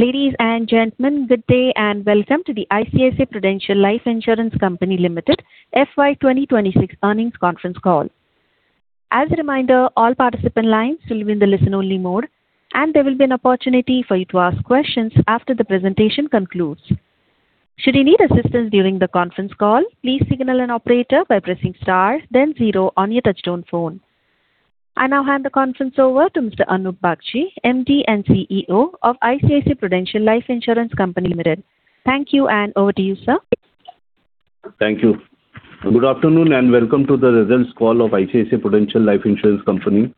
Ladies and gentlemen, good day and welcome to the ICICI Prudential Life Insurance Company Limited FY 2026 earnings conference call. As a reminder, all participant lines will be in the listen-only mode, and there will be an opportunity for you to ask questions after the presentation concludes. Should you need assistance during the conference call, please signal an operator by pressing star then zero on your touch-tone phone. I now hand the conference over to Mr. Anup Bagchi, MD and CEO of ICICI Prudential Life Insurance Company Limited. Thank you, and over to you, sir. Thank you. Good afternoon, and welcome to the results call of ICICI Prudential Life Insurance Company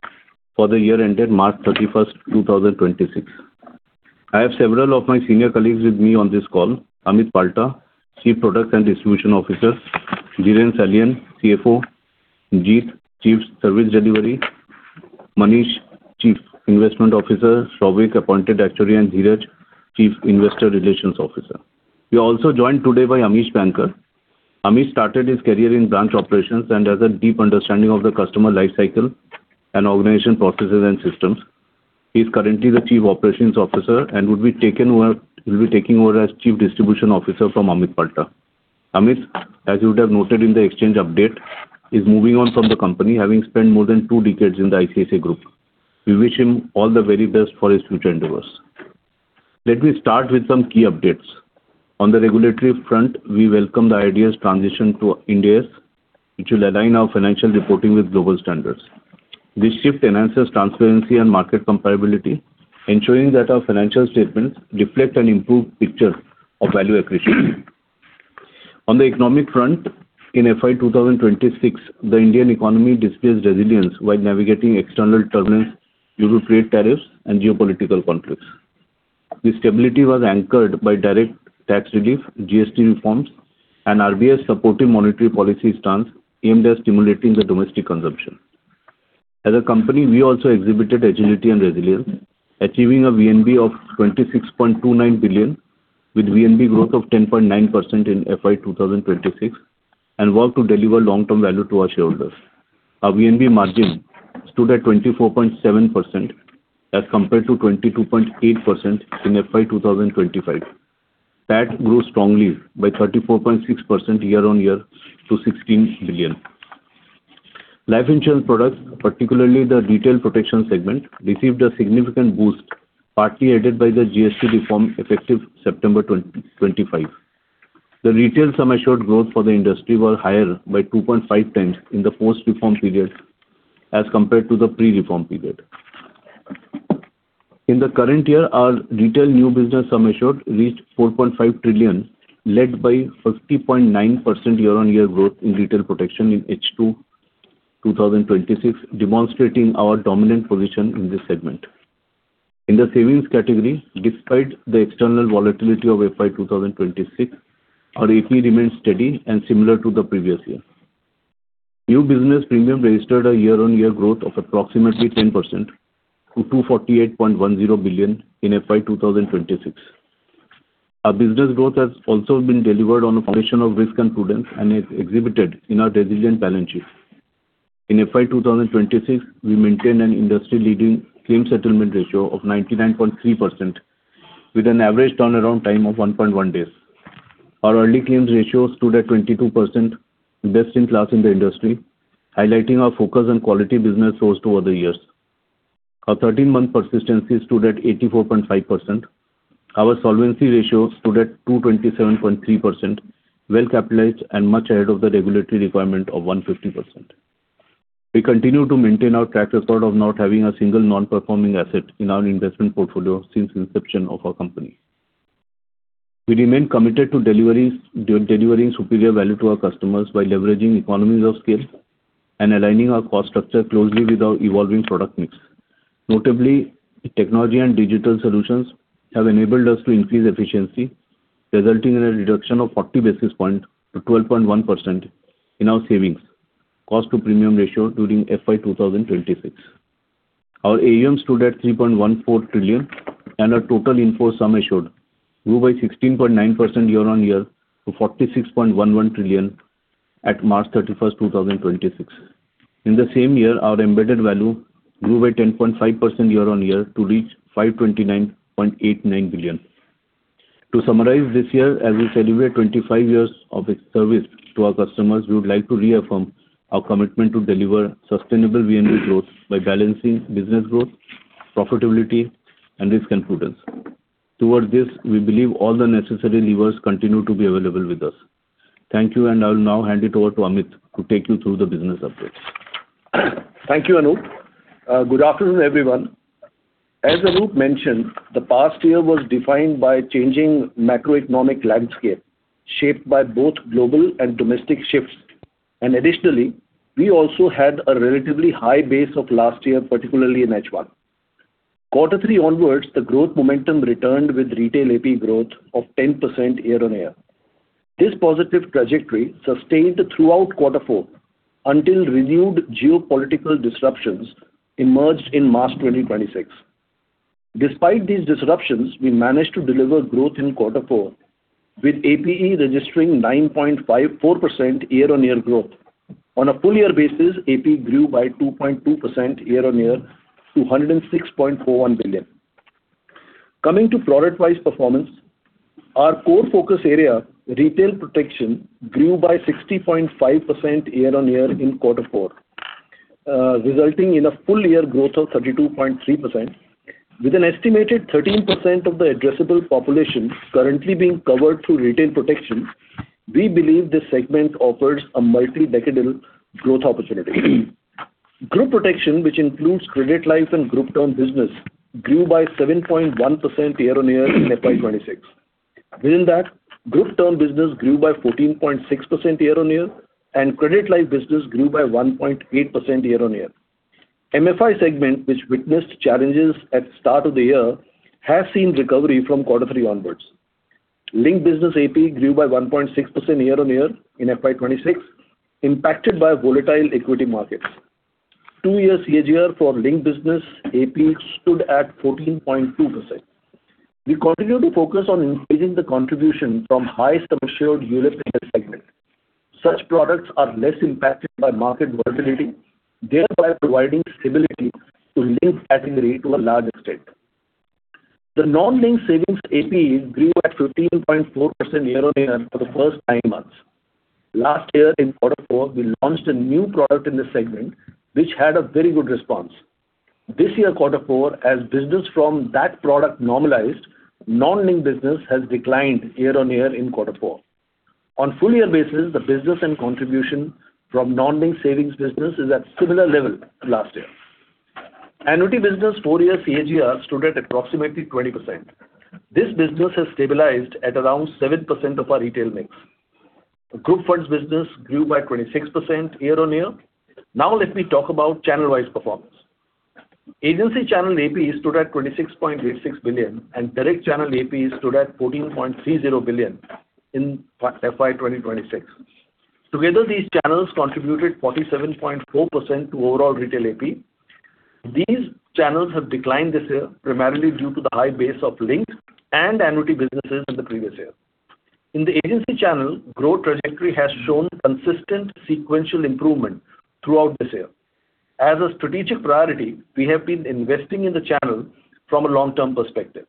for the year ended March 31st, 2026. I have several of my senior colleagues with me on this call, Amit Palta, Chief Product & Distribution Officer, Dhiren Salian, CFO, Judhajit, Chief Service Delivery, Manish, Chief Investment Officer, Souvik, Appointed Actuary, and Dhiraj, Chief Investor Relations Officer. We are also joined today by Amish Bankar. Amish started his career in branch operations and has a deep understanding of the customer life cycle and organization processes and systems. He's currently the Chief Operations Officer and will be taking over as Chief Distribution Officer from Amit Palta. Amit, as you would have noted in the exchange update, is moving on from the company having spent more than two decades in the ICICI Group. We wish him all the very best for his future endeavors. Let me start with some key updates. On the regulatory front, we welcome the IFRS transition to Ind AS, which will align our financial reporting with global standards. This shift enhances transparency and market comparability, ensuring that our financial statements reflect an improved picture of value accretion. On the economic front, in FY 2026, the Indian economy displays resilience while navigating external turbulence due to trade tariffs and geopolitical conflicts. This stability was anchored by direct tax relief, GST reforms, and RBI's supportive monetary policy stance aimed at stimulating the domestic consumption. As a company, we also exhibited agility and resilience, achieving a VNB of 26.29 billion, with VNB growth of 10.9% in FY 2026 and work to deliver long-term value to our shareholders. Our VNB margin stood at 24.7% as compared to 22.8% in FY 2025. PAT grew strongly by 34.6% year-on-year to 16 billion. Life insurance products, particularly the retail protection segment, received a significant boost, partly aided by the GST reform effective September 2025. The retail sum assured growth for the industry was higher by 2.5x in the post-reform period as compared to the pre-reform period. In the current year, our retail new business sum assured reached 4.5 trillion, led by 50.9% year-on-year growth in retail protection in H2 2026, demonstrating our dominant position in this segment. In the savings category, despite the external volatility of FY 2026, our AP remains steady and similar to the previous year. New business premium registered a year-on-year growth of approximately 10% to 248.10 billion in FY 2026. Our business growth has also been delivered on a foundation of risk and prudence and is exhibited in our resilient balance sheet. In FY 2026, we maintained an industry-leading claim settlement ratio of 99.3% with an average turnaround time of 1.1 days. Our early claims ratio stood at 22%, best in class in the industry, highlighting our focus on quality business over the years. Our 13-month persistency stood at 84.5%. Our solvency ratio stood at 227.3%, well capitalized and much ahead of the regulatory requirement of 150%. We continue to maintain our track record of not having a single non-performing asset in our investment portfolio since inception of our company. We remain committed to delivering superior value to our customers by leveraging economies of scale and aligning our cost structure closely with our evolving product mix. Notably, technology and digital solutions have enabled us to increase efficiency, resulting in a reduction of 40 basis points to 12.1% in our savings cost-to-premium ratio during FY 2026. Our AUM stood at 3.14 trillion, and our total in-force sum assured grew by 16.9% year-on-year to 46.11 trillion at March 31st, 2026. In the same year, our embedded value grew by 10.5% year-on-year to reach 529.89 billion. To summarize this year, as we celebrate 25 years of service to our customers, we would like to reaffirm our commitment to deliver sustainable VNB growth by balancing business growth, profitability, and risk and prudence. Towards this, we believe all the necessary levers continue to be available with us. Thank you. I'll now hand it over to Amit to take you through the business updates. Thank you, Anup. Good afternoon, everyone. As Anup mentioned, the past year was defined by changing macroeconomic landscape, shaped by both global and domestic shifts. Additionally, we also had a relatively high base of last year, particularly in H1. Quarter three onwards, the growth momentum returned with retail APE growth of 10% year-on-year. This positive trajectory sustained throughout quarter four until renewed geopolitical disruptions emerged in March 2026. Despite these disruptions, we managed to deliver growth in quarter four. With APE registering 9.54% year-on-year growth, on a full year basis, APE grew by 2.2% year-on-year to 106.41 billion. Coming to product-wise performance, our core focus area, retail protection, grew by 60.5% year-on-year in quarter four, resulting in a full year growth of 32.3%, with an estimated 13% of the addressable population currently being covered through retail protection. We believe this segment offers a multi-decadal growth opportunity. Group protection, which includes credit life and group term business, grew by 7.1% year-on-year in FY 2026. Within that, group term business grew by 14.6% year-on-year, and credit life business grew by 1.8% year-on-year. MFI segment, which witnessed challenges at start of the year, has seen recovery from quarter three onwards. Link business APE grew by 1.6% year-on-year in FY 2026, impacted by volatile equity markets. Two-year CAGR for link business APE stood at 14.2%. We continue to focus on increasing the contribution from high sum assured ULIP segment. Such products are less impacted by market volatility, thereby providing stability to link category to a large extent. The non-link savings APE grew at 15.4% year-on-year for the first nine months. Last year in quarter four, we launched a new product in this segment, which had a very good response. This year, quarter four, as business from that product normalized, non-link business has declined year-on-year in quarter four. On full-year basis, the business and contribution from non-link savings business is at similar level to last year. Annuity business four-year CAGR stood at approximately 20%. This business has stabilized at around 7% of our retail mix. Group funds business grew by 26% year-on-year. Now let me talk about channelized performance. Agency channel APE stood at 26.86 billion, and direct channel APE stood at 14.30 billion in FY 2026. Together, these channels contributed 47.4% to overall retail APE. These channels have declined this year, primarily due to the high base of link and annuity businesses in the previous year. In the agency channel, growth trajectory has shown consistent sequential improvement throughout this year. As a strategic priority, we have been investing in the channel from a long-term perspective.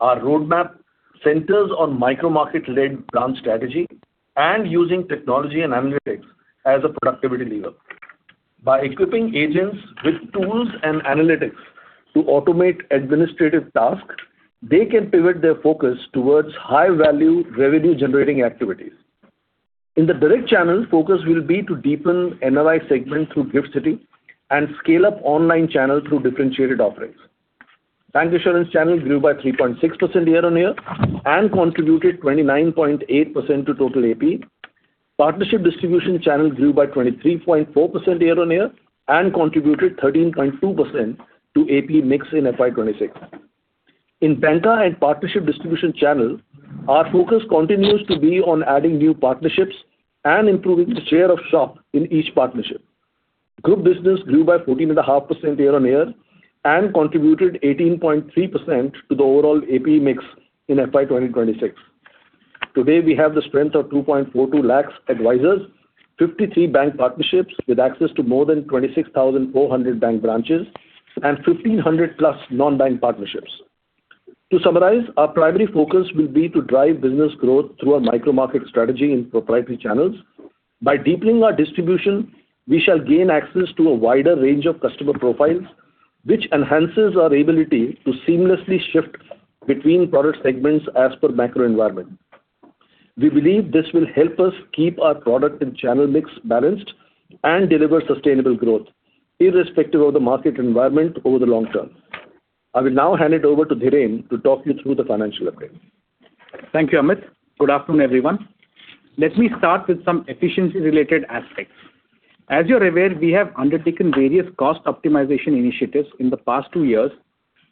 Our roadmap centers on micro-market-led branch strategy and using technology and analytics as a productivity lever. By equipping agents with tools and analytics to automate administrative tasks, they can pivot their focus towards high-value revenue-generating activities. In the direct channel, focus will be to deepen NRI segment through GIFT City and scale up online channel through differentiated offerings. Bank insurance channel grew by 3.6% year-on-year and contributed 29.8% to total APE. Partnership distribution channel grew by 23.4% year-on-year and contributed 13.2% to APE mix in FY 2026. In bank and partnership distribution channel, our focus continues to be on adding new partnerships and improving the share of shop in each partnership. Group business grew by 14.5% year-on-year and contributed 18.3% to the overall APE mix in FY 2026. Today, we have the strength of 2.42 lakhs advisors, 53 bank partnerships with access to more than 26,400 bank branches, and 1,500+ non-bank partnerships. To summarize, our primary focus will be to drive business growth through our micro-market strategy in proprietary channels. By deepening our distribution, we shall gain access to a wider range of customer profiles, which enhances our ability to seamlessly shift between product segments as per macro environment. We believe this will help us keep our product and channel mix balanced and deliver sustainable growth irrespective of the market environment over the long term. I will now hand it over to Dhiren to talk you through the financial update. Thank you, Amit. Good afternoon, everyone. Let me start with some efficiency-related aspects. As you're aware, we have undertaken various cost optimization initiatives in the past two years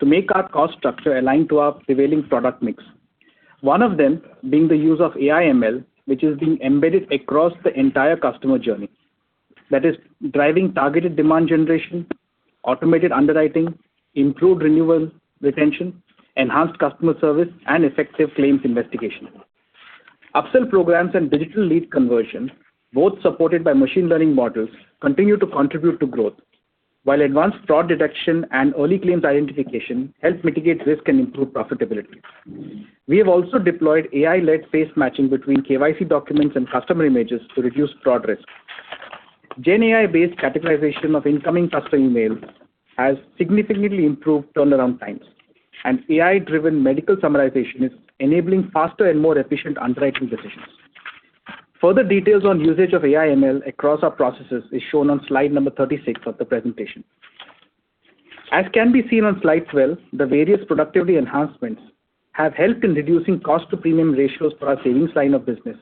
to make our cost structure aligned to our prevailing product mix, one of them being the use of AI/ML, which is being embedded across the entire customer journey. That is driving targeted demand generation, automated underwriting, improved renewal retention, enhanced customer service, and effective claims investigation. Upsell programs and digital lead conversion, both supported by machine learning models, continue to contribute to growth, while advanced fraud detection and early claims identification help mitigate risk and improve profitability. We have also deployed AI-led face matching between KYC documents and customer images to reduce fraud risk. GenAI-based categorization of incoming customer email has significantly improved turnaround times, and AI-driven medical summarization is enabling faster and more efficient underwriting decisions. Further details on usage of AI/ML across our processes is shown on slide number 36 of the presentation. As can be seen on slide 12, the various productivity enhancements have helped in reducing cost to premium ratios for our savings sign-up business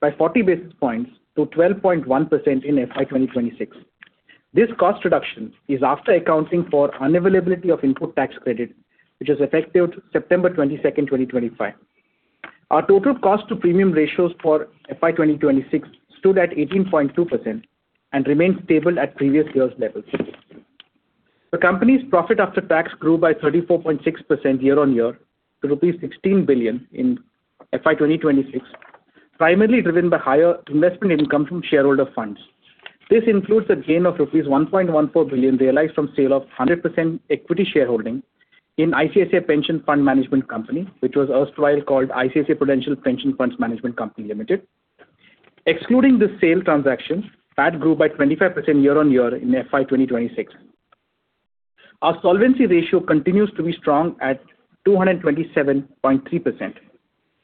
by 40 basis points to 12.1% in FY 2026. This cost reduction is after accounting for unavailability of input tax credit, which is effective September 22nd, 2025. Our total cost to premium ratios for FY 2026 stood at 18.2% and remained stable at previous year's levels. The company's profit after tax grew by 34.6% year-on-year to rupees 16 billion in FY 2026, primarily driven by higher investment income from shareholder funds. This includes a gain of rupees 1.14 billion realized from sale of 100% equity shareholding in ICICI Pension Fund Management Company, which was erstwhile called ICICI Prudential Pension Funds Management Company Limited. Excluding the sale transactions, PAT grew by 25% year-on-year in FY 2026. Our solvency ratio continues to be strong at 227.3%.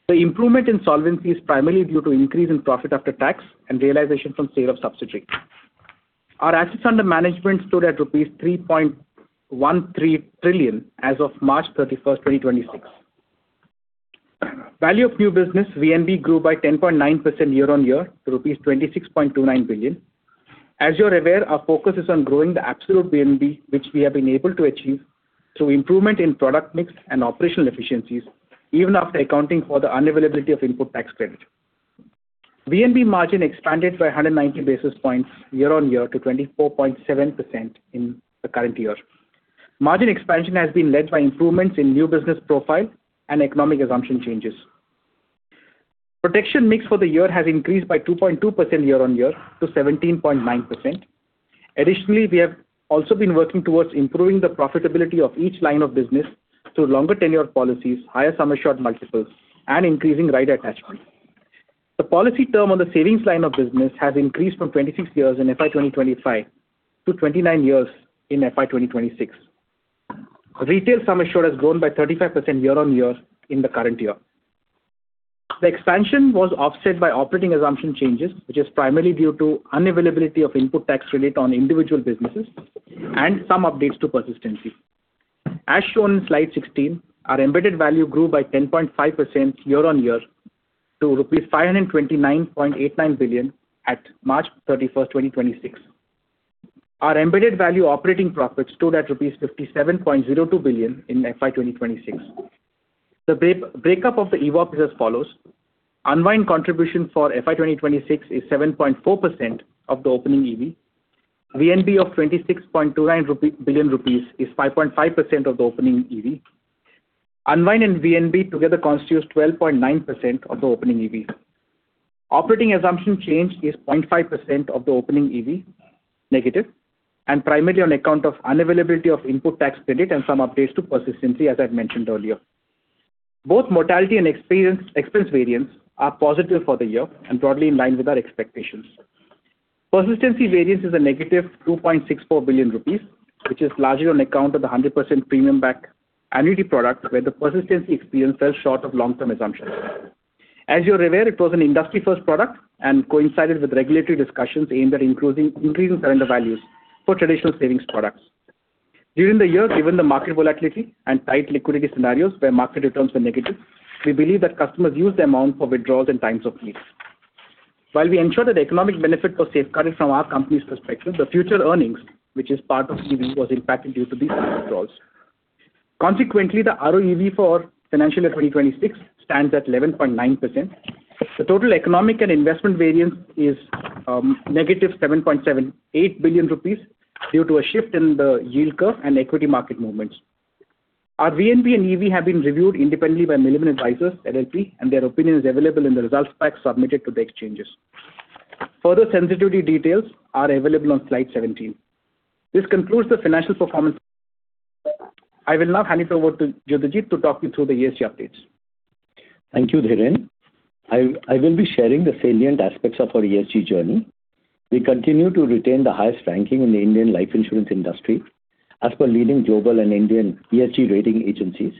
The improvement in solvency is primarily due to increase in profit after tax and realization from sale of subsidiary. Our assets under management stood at rupees 3.13 trillion as of March 31st, 2026. Value of new business, VNB, grew by 10.9% year-on-year to rupees 26.29 billion. As you're aware, our focus is on growing the absolute VNB, which we have been able to achieve through improvement in product mix and operational efficiencies, even after accounting for the unavailability of input tax credit. VNB margin expanded by 190 basis points year-on-year to 24.7% in the current year. Margin expansion has been led by improvements in new business profile and economic assumption changes. Protection mix for the year has increased by 2.2% year-on-year to 17.9%. Additionally, we have also been working towards improving the profitability of each line of business through longer tenure policies, higher sum assured multiples, and increasing rider attachment. The policy term on the savings line of business has increased from 26 years in FY 2025 to 29 years in FY 2026. Retail sum assured has grown by 35% year-on-year in the current year. The expansion was offset by operating assumption changes, which is primarily due to unavailability of input tax credit on individual businesses and some updates to persistency. As shown in slide 16, our embedded value grew by 10.5% year-on-year to rupees 529.89 billion at March 31st, 2026. Our embedded value operating profit stood at rupees 57.02 billion in FY 2026. The breakup of the EVOP is as follows. Unwind contribution for FY 2026 is 7.4% of the opening EV. VNB of 26.29 billion rupees is 5.5% of the opening EV. Unwind and VNB together constitutes 12.9% of the opening EV. Operating assumption change is 0.5% of the opening EV negative and primarily on account of unavailability of input tax credit and some updates to persistency, as I've mentioned earlier. Both mortality and expense variance are positive for the year and broadly in line with our expectations. Persistency variance is -2.64 billion rupees, which is largely on account of the 100% premium-backed annuity product, where the persistency experience fell short of long-term assumptions. As you're aware, it was an industry-first product and coincided with regulatory discussions aimed at increasing surrender values for traditional savings products. During the year, given the market volatility and tight liquidity scenarios where market returns were negative, we believe that customers used the amount for withdrawals in times of need. While we ensure that the economic benefit was safeguarded from our company's perspective, the future earnings, which is part of EV, was impacted due to these withdrawals. Consequently, the RoEV for financial year 2026 stands at 11.9%. The total economic and investment variance is -7.78 billion rupees due to a shift in the yield curve and equity market movements. Our VNB and EV have been reviewed independently by Milliman Advisors LLP, and their opinion is available in the results pack submitted to the exchanges. Further sensitivity details are available on slide 17. This concludes the financial performance. I will now hand it over to Judhajit to talk you through the ESG updates. Thank you, Dhiren. I will be sharing the salient aspects of our ESG journey. We continue to retain the highest ranking in the Indian life insurance industry as per leading global and Indian ESG rating agencies.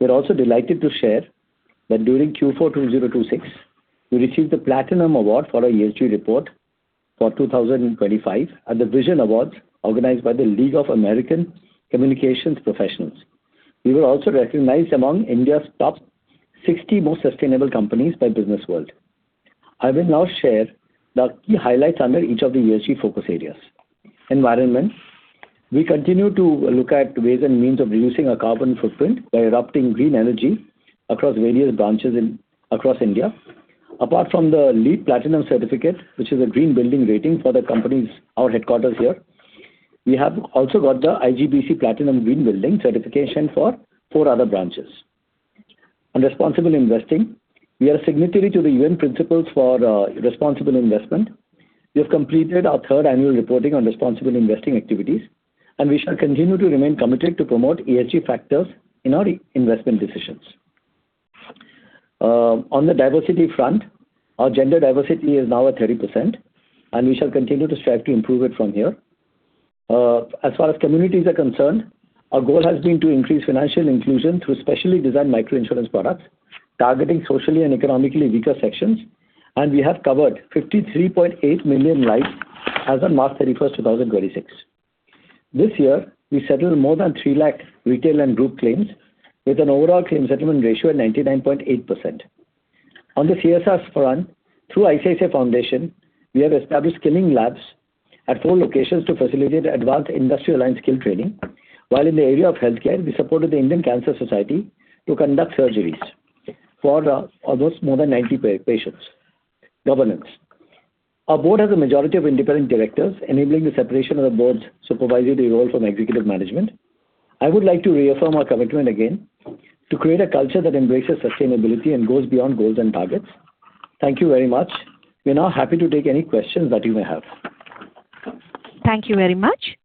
We're also delighted to share that during Q4 2026, we received the Platinum Award for our ESG report for 2025 at the Vision Awards organized by the League of American Communications Professionals. We were also recognized among India's top 60 most sustainable companies by Businessworld. I will now share the key highlights under each of the ESG focus areas. Environment. We continue to look at ways and means of reducing our carbon footprint by adopting green energy across various branches across India. Apart from the LEED Platinum certificate, which is a green building rating for our headquarters here, we have also got the IGBC Platinum Green Building certification for four other branches. On responsible investing, we are signatory to the UN Principles for Responsible Investment. We have completed our third annual reporting on responsible investing activities, and we shall continue to remain committed to promote ESG factors in our investment decisions. On the diversity front, our gender diversity is now at 30%, and we shall continue to strive to improve it from here. As far as communities are concerned, our goal has been to increase financial inclusion through specially designed micro-insurance products targeting socially and economically weaker sections, and we have covered 53.8 million lives as on March 31st, 2026. This year we settled more than 3 lakh retail and group claims with an overall claim settlement ratio at 99.8%. On the CSR front, through ICICI Foundation, we have established skilling labs at four locations to facilitate advanced industry-aligned skill training, while in the area of healthcare, we supported the Indian Cancer Society to conduct surgeries for almost more than 90 patients. Governance. Our Board has a majority of Independent Directors, enabling the separation of the Board's supervisory role from Executive Management. I would like to reaffirm our commitment again to create a culture that embraces sustainability and goes beyond goals and targets. Thank you very much. We are now happy to take any questions that you may have. Thank you very much.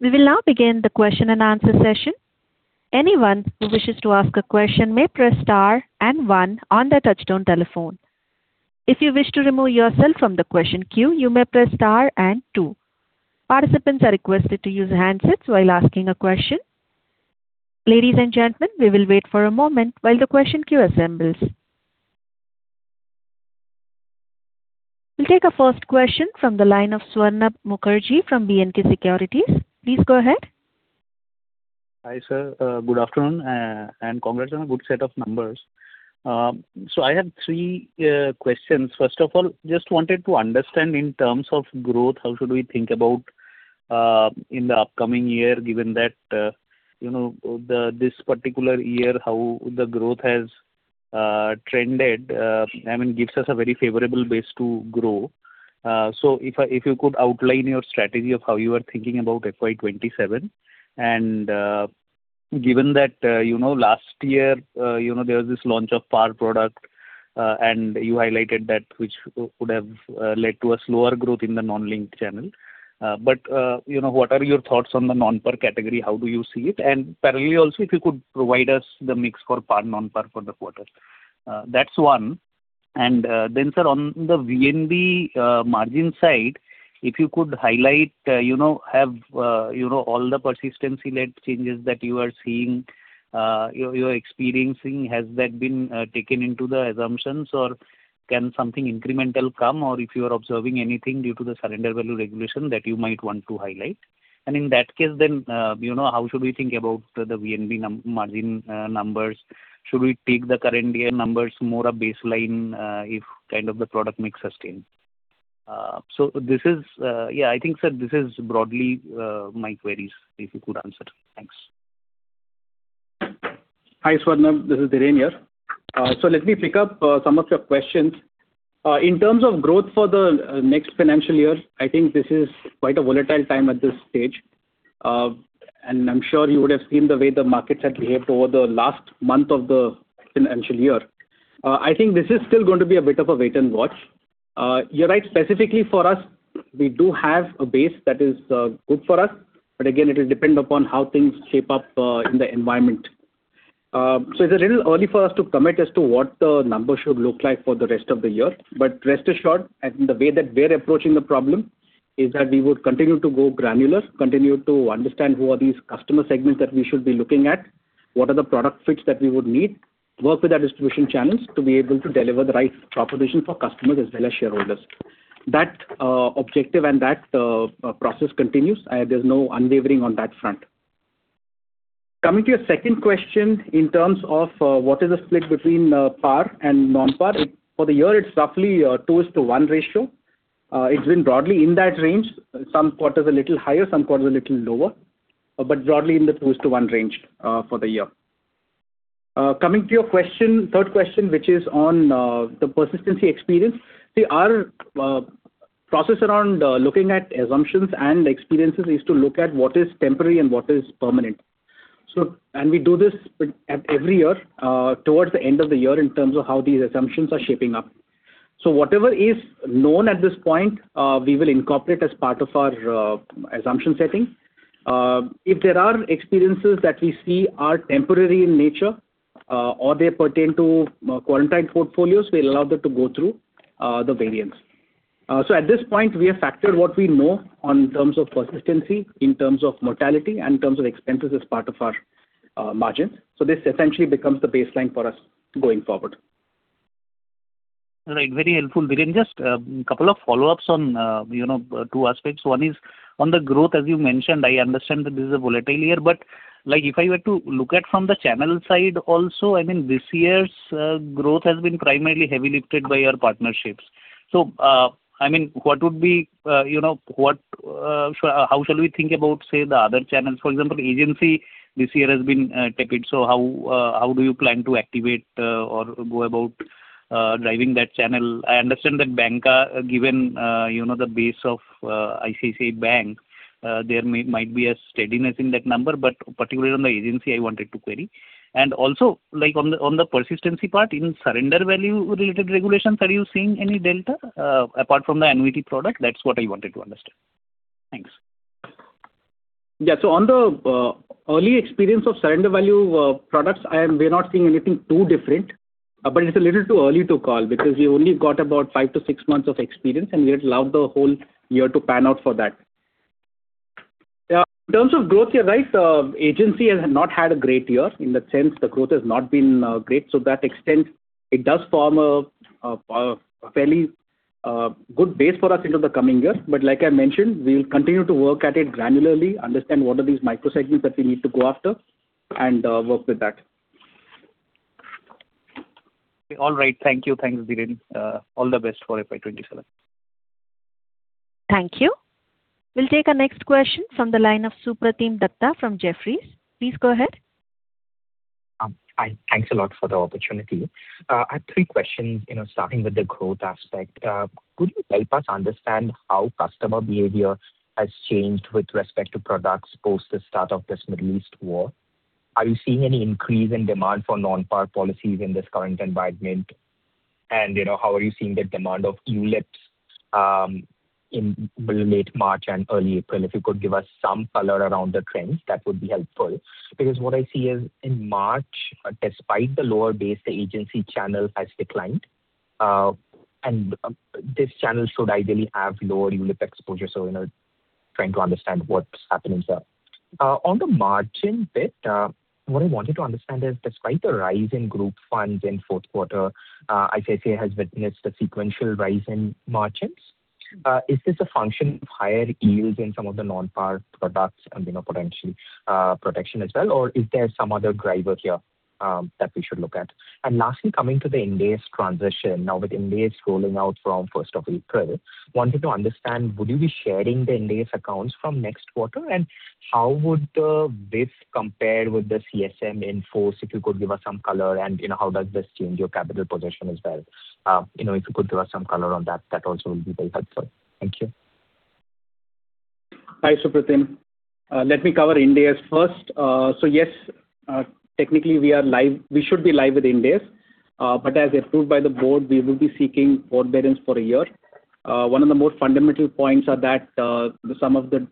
We will now begin the question and answer session. Anyone who wishes to ask a question may press star and one on their touch-tone telephone. If you wish to remove yourself from the question queue, you may press star and two. Participants are requested to use handsets while asking a question. Ladies and gentlemen, we will wait for a moment while the question queue assembles. We'll take a first question from the line of Swarnabh Mukherjee from B&K Securities. Please go ahead. Hi, Sir. Good afternoon and congrats on a good set of numbers. I have three questions. First of all, I just wanted to understand in terms of growth, how should we think about in the upcoming year, given that this particular year, how the growth has trended, gives us a very favorable base to grow. If you could outline your strategy of how you are thinking about FY 2027 and given that last year there was this launch of par product and you highlighted that which would have led to a slower growth in the non-linked channel. What are your thoughts on the non-par category? How do you see it? Parallel also, if you could provide us the mix for par, non-par for the quarter. That's one. Sir, on the VNB margin side, if you could highlight all the persistency-led changes that you are seeing, you are experiencing. Has that been taken into the assumptions or can something incremental come? If you are observing anything due to the surrender value regulation that you might want to highlight, in that case then, how should we think about the VNB margin numbers? Should we take the current year numbers more a baseline if the product mix sustains? I think, Sir, this is broadly my queries if you could answer. Thanks. Hi, Swarnabh. This is Dhiren here. Let me pick up some of your questions. In terms of growth for the next financial year, I think this is quite a volatile time at this stage. I'm sure you would have seen the way the markets had behaved over the last month of the financial year. I think this is still going to be a bit of a wait and watch. You're right, specifically for us, we do have a base that is good for us. Again, it will depend upon how things shape up in the environment. It's a little early for us to commit as to what the numbers should look like for the rest of the year. Rest assured, I think the way that we're approaching the problem is that we would continue to go granular, continue to understand who are these customer segments that we should be looking at, what are the product fits that we would need, work with our distribution channels to be able to deliver the right proposition for customers as well as shareholders. That objective and that process continues. There's no unwavering on that front. Coming to your second question in terms of what is the split between par and non-par. For the year, it's roughly a two is to one ratio. It's been broadly in that range. Some quarters a little higher, some quarters a little lower, but broadly in the two is to one range for the year. Coming to your third question, which is on the persistency experience. See our process around looking at assumptions and experiences is to look at what is temporary and what is permanent. We do this every year towards the end of the year in terms of how these assumptions are shaping up. Whatever is known at this point we will incorporate as part of our assumption setting. If there are experiences that we see are temporary in nature or they pertain to quarantined portfolios, we allow them to go through the variance. At this point, we have factored what we know in terms of persistency, in terms of mortality, and in terms of expenses as part of our margin. This essentially becomes the baseline for us going forward. Right. Very helpful. Dhiren, just a couple of follow-ups on two aspects. One is on the growth, as you mentioned, I understand that this is a volatile year, but if I were to look at from the channel side also, this year's growth has been primarily heavy lifted by your partnerships. How shall we think about, say, the other channels? For example, agency this year has been tepid, so how do you plan to activate or go about driving that channel? I understand that banca, given the base of ICICI Bank there might be a steadiness in that number, but particularly on the agency, I wanted to query. On the persistency part, in surrender value-related regulations, are you seeing any delta apart from the annuity product? That's what I wanted to understand. Thanks. Yeah. On the early experience of surrender value products, we're not seeing anything too different, but it's a little too early to call because we only got about five to six months of experience, and we would love the whole year to pan out for that. In terms of growth, you're right, agency has not had a great year in the sense the growth has not been great. To that extent, it does form a fairly good base for us into the coming year. Like I mentioned, we'll continue to work at it granularly, understand what are these microsegments that we need to go after, and work with that. All right. Thank you. Thanks, Dhiren. All the best for FY 2027. Thank you. We'll take our next question from the line of Supratim Datta from Jefferies. Please go ahead. Thanks a lot for the opportunity. I have three questions, starting with the growth aspect. Could you help us understand how customer behavior has changed with respect to products post the start of this Middle East war? Are you seeing any increase in demand for non-par policies in this current environment? How are you seeing the demand of ULIPs in late March and early April? If you could give us some color around the trends, that would be helpful. Because what I see is in March, despite the lower base, the agency channel has declined. This channel should ideally have lower ULIP exposure. Trying to understand what's happening there. On the margin bit, what I wanted to understand is despite the rise in group funds in fourth quarter, ICICI has witnessed a sequential rise in margins. Is this a function of higher yields in some of the non-par products and potential protection as well, or is there some other driver here that we should look at? Lastly, coming to the Ind AS transition. Now that Ind AS is rolling out from 1st of April, wanted to understand, would you be sharing the Ind AS accounts from next quarter, and how would this compare with the CSM in force? If you could give us some color and how does this change your capital position as well? If you could give us some color on that also would be very helpful. Thank you. Hi, Supratim. Let me cover Ind AS first. So yes, technically we should be live with Ind AS. But as approved by the board, we will be seeking forbearance for a year. One of the more fundamental points are that some of the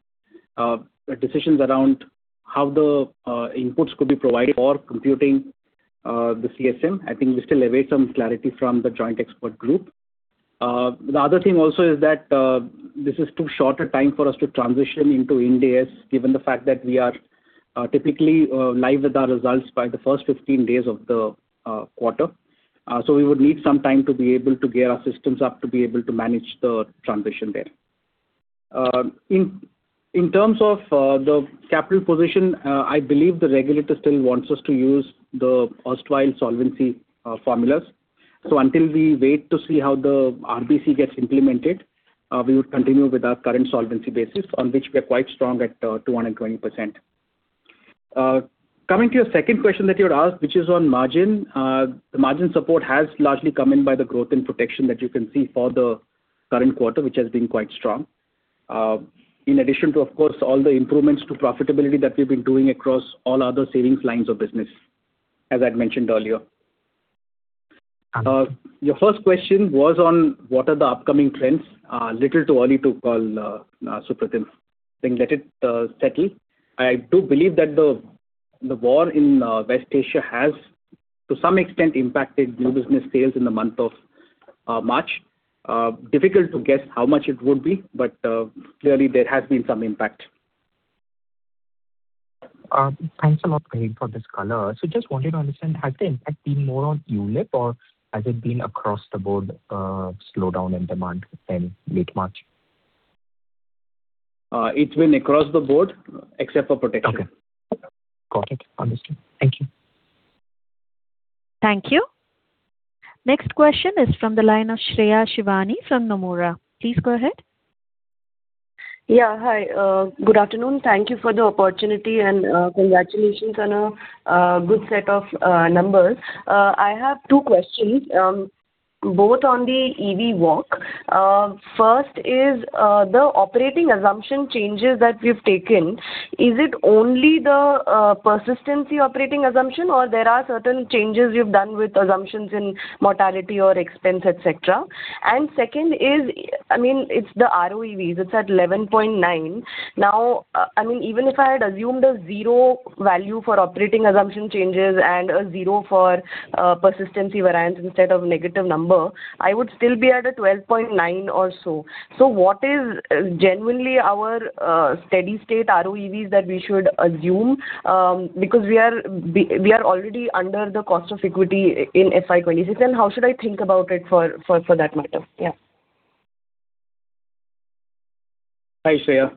decisions around how the inputs could be provided for computing the CSM, I think we still await some clarity from the joint expert group. The other thing also is that this is too short a time for us to transition into Ind AS, given the fact that we are typically live with our results by the first fifteen days of the quarter. So we would need some time to be able to gear our systems up to be able to manage the transition there. In terms of the capital position, I believe the regulator still wants us to use the Ostwald solvency formulas. Until we wait to see how the RBC gets implemented, we would continue with our current solvency basis on which we're quite strong at 220%. Coming to your second question that you had asked, which is on margin. The margin support has largely come in by the growth in protection that you can see for the current quarter, which has been quite strong. In addition to, of course, all the improvements to profitability that we've been doing across all other savings lines of business, as I'd mentioned earlier. Your first question was on what are the upcoming trends. Little too early to call, Supratim. I think let it settle. I do believe that the war in West Asia has, to some extent, impacted new business sales in the month of March. difficult to guess how much it would be, but clearly there has been some impact. Thanks a lot, Dhiren, for this color. I just wanted to understand, has the impact been more on ULIP or has it been across-the-board slowdown in demand since late March? It's been across the board except for protection. Okay. Got it. Understood. Thank you. Thank you. Next question is from the line of Shreya Shivani from Nomura. Please go ahead. Yeah. Hi. Good afternoon. Thank you for the opportunity and congratulations on a good set of numbers. I have two questions, both on the EV walk. First is the operating assumption changes that you've taken. Is it only the persistency operating assumption or there are certain changes you've done with assumptions in mortality or expense, et cetera? Second is, it's the RoEVs. It's at 11.9%. Now, even if I had assumed a zero value for operating assumption changes and a zero for persistency variance instead of negative number, I would still be at 12.9% or so. What is genuinely our steady state RoEVs that we should assume? Because we are already under the cost of equity in FY 2026, and how should I think about it for that matter? Yeah. Hi, Shreya.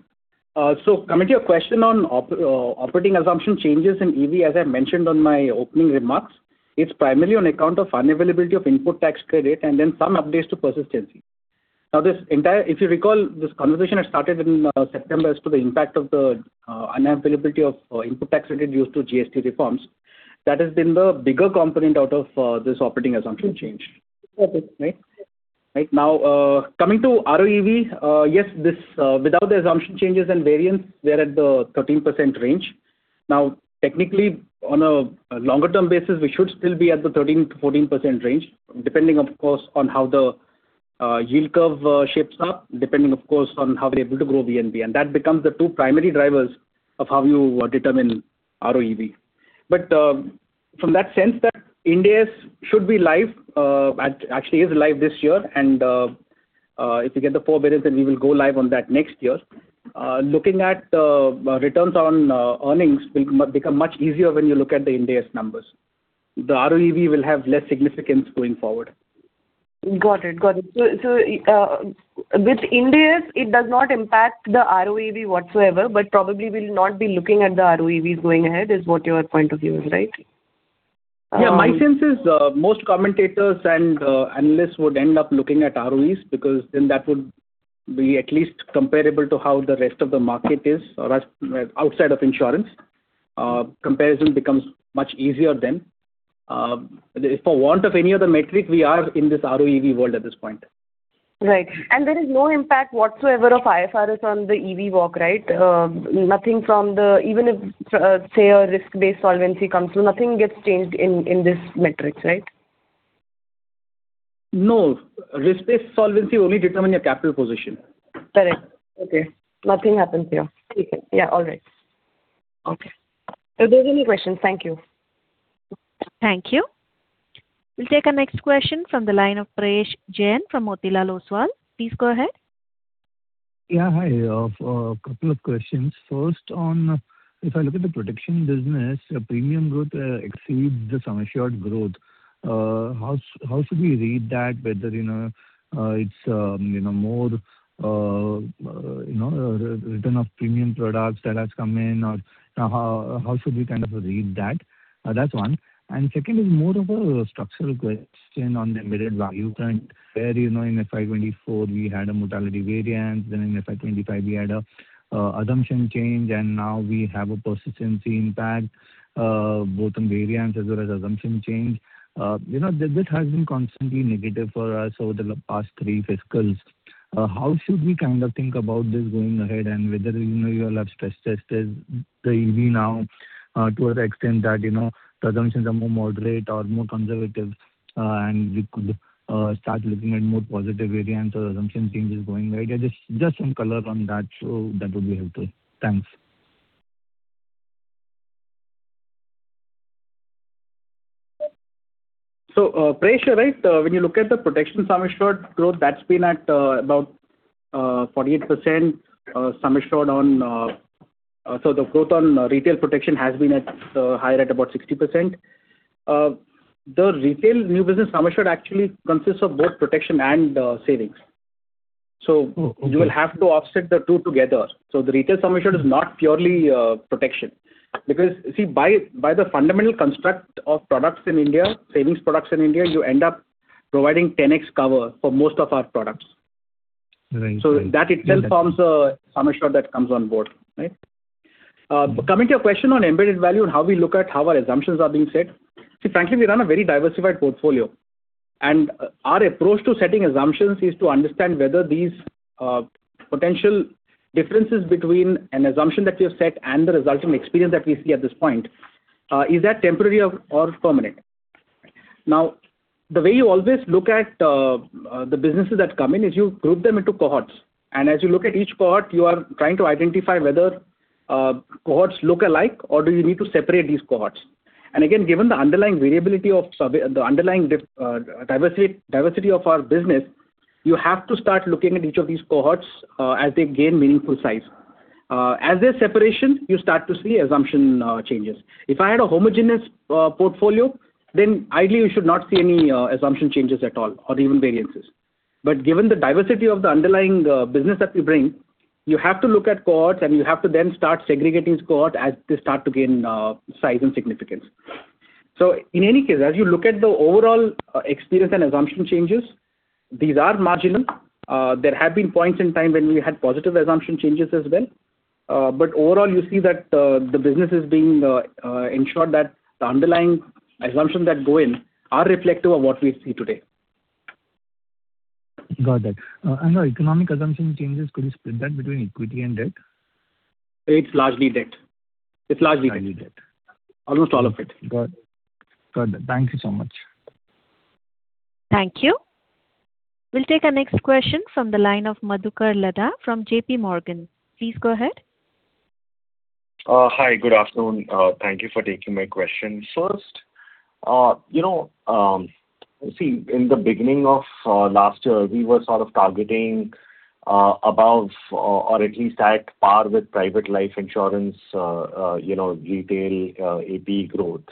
Coming to your question on operating assumption changes in EV, as I mentioned on my opening remarks, it's primarily on account of unavailability of input tax credit and then some updates to persistency. Now, if you recall, this conversation had started in September as to the impact of the unavailability of input tax credit due to GST reforms. That has been the bigger component out of this operating assumption change. Got it. Right. Now coming to RoEV, yes, without the assumption changes and variance, we're at the 13% range. Now, technically, on a longer-term basis, we should still be at the 13%-14% range, depending, of course, on how the yield curve shapes up, depending, of course, on how we're able to grow VNB. That becomes the two primary drivers of how you determine RoEV. From that sense that Ind AS should be live, actually is live this year, and if we get the forbearance, then we will go live on that next year. Looking at returns on earnings will become much easier when you look at the Ind AS numbers. The RoEV will have less significance going forward. Got it. With Ind AS, it does not impact the RoEV whatsoever, but probably we'll not be looking at the RoEVs going ahead is what your point of view is, right? Yeah, my sense is most commentators and analysts would end up looking at ROEs because then that would be at least comparable to how the rest of the market is outside of insurance. Comparison becomes much easier then. For want of any other metric, we are in this RoEV world at this point. Right. There is no impact whatsoever of IFRS on the EV walk, right? Even if, say, a risk-based solvency comes through, nothing gets changed in this metric, right? No. Risk-based solvency only determine your capital position. Correct. Okay. Nothing happens here. Okay. Yeah, all right. Okay. That's all my questions. Thank you. Thank you. We'll take our next question from the line of Prayesh Jain from Motilal Oswal. Please go ahead. Yeah, hi. A couple of questions. First on, if I look at the protection business, premium growth exceeds the sum assured growth. How should we read that? Whether it's more return of premium products that has come in or how should we read that? That's one. Second is more of a structural question on the embedded value front, where in FY 2024 we had a mortality variance, then in FY 2025 we had a assumption change, and now we have a persistency impact, both on variance as well as assumption change. That has been constantly negative for us over the past three fiscals. How should we think about this going ahead and whether you all have stress tested the EV now to an extent that the assumptions are more moderate or more conservative and we could start looking at more positive variance or assumption changes going ahead? Just some color on that, so that would be helpful. Thanks. Prayesh, when you look at the protection sum assured growth, that's been at about 48%. The growth on retail protection has been higher at about 60%. The retail new business sum assured actually consists of both protection and savings. You will have to offset the two together. The retail sum assured is not purely protection because, see, by the fundamental construct of products in India, savings products in India, you end up providing 10x cover for most of our products. Right. So that itself forms a sum assured that comes on board, right? Coming to your question on embedded value and how we look at how our assumptions are being set, see, frankly, we run a very diversified portfolio. And our approach to setting assumptions is to understand whether these potential differences between an assumption that we have set and the resulting experience that we see at this point, is that temporary or permanent? Now, the way you always look at the businesses that come in is you group them into cohorts. And as you look at each cohort, you are trying to identify whether cohorts look alike or do you need to separate these cohorts. And again, given the underlying diversity of our business, you have to start looking at each of these cohorts as they gain meaningful size. As they separation, you start to see assumption changes. If I had a homogeneous portfolio, then ideally you should not see any assumption changes at all or even variances. Given the diversity of the underlying business that we bring, you have to look at cohorts and you have to then start segregating cohorts as they start to gain size and significance. In any case, as you look at the overall experience and assumption changes, these are marginal. There have been points in time when we had positive assumption changes as well. Overall, you see that the business is being ensured that the underlying assumptions that go in are reflective of what we see today. Got that. Our economic assumption changes, could you split that between equity and debt? It's largely debt. Largely debt. Almost all of it. Got it. Thank you so much. Thank you. We'll take our next question from the line of Madhukar Ladha from JPMorgan. Please go ahead. Hi, good afternoon. Thank you for taking my question. First, see, in the beginning of last year, we were sort of targeting above or at least at par with private life insurance retail AP growth.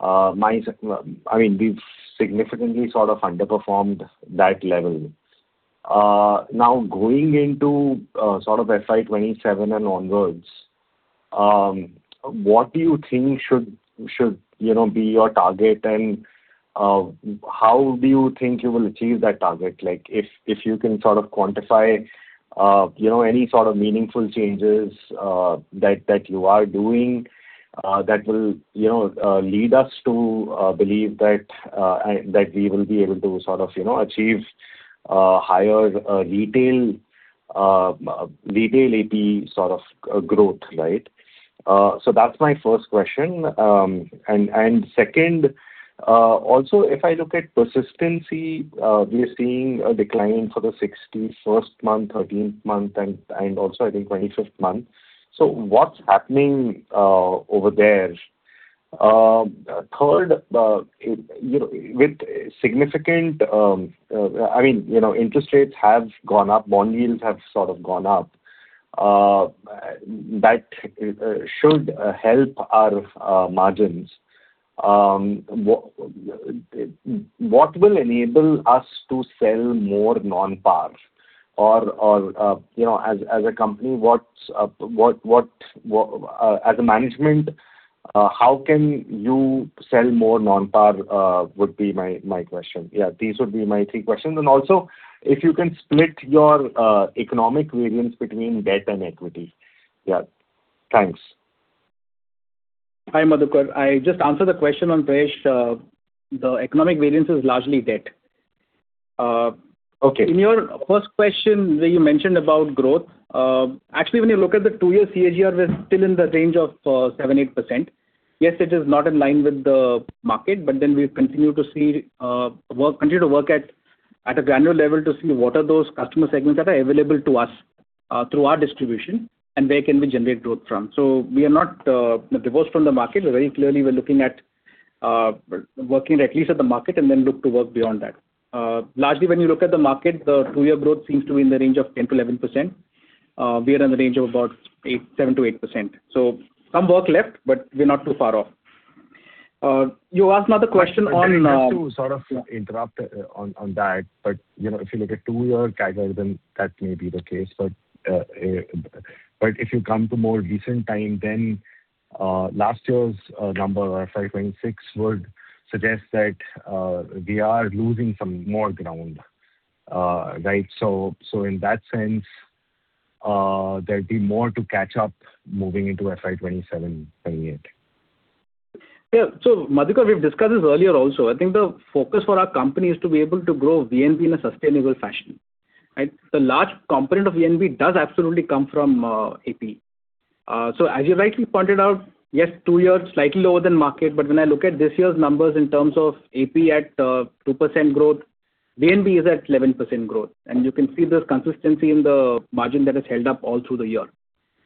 We've significantly underperformed that level. Now, going into FY 2027 and onwards, what do you think should be your target, and how do you think you will achieve that target? If you can quantify any sort of meaningful changes that you are doing that will lead us to believe that we will be able to achieve higher retail AP growth, right? That's my first question. Second, also if I look at persistency, we are seeing a decline for the 61st month, 13th month, and also I think 25th month. What's happening over there? Third, interest rates have gone up, bond yields have gone up. That should help our margins. What will enable us to sell more non-par? As a Management, how can you sell more non-par would be my question. Yeah, these would be my three questions. Also if you can split your economic variance between debt and equity. Yeah. Thanks. Hi, Madhukar. I just answered the question on Prayesh. The economic variance is largely debt. Okay. In your first question that you mentioned about growth, actually, when you look at the two-year CAGR, we're still in the range of 7%-8%. Yes, it is not in line with the market, but then we continue to work at a granular level to see what are those customer segments that are available to us through our distribution and where can we generate growth from. We are not divorced from the market. Very clearly we're looking at working at least at the market, and then look to work beyond that. Largely, when you look at the market, the two-year growth seems to be in the range of 10%-11%. We are in the range of about 7%-8%. Some work left, but we're not too far off. You asked another question on. Sorry to sort of interrupt on that. If you look at two-year CAGR, then that may be the case. If you come to more recent time than last year's number or FY 2026 would suggest that we are losing some more ground. Right. In that sense there'd be more to catch up moving into FY 2027, 2028. Yeah. Madhukar, we've discussed this earlier also. I think the focus for our company is to be able to grow VNB in a sustainable fashion, right? The large component of VNB does absolutely come from APE. As you rightly pointed out, yes, two years slightly lower than market, but when I look at this year's numbers in terms of APE at 2% growth, VNB is at 11% growth, and you can see this consistency in the margin that has held up all through the year.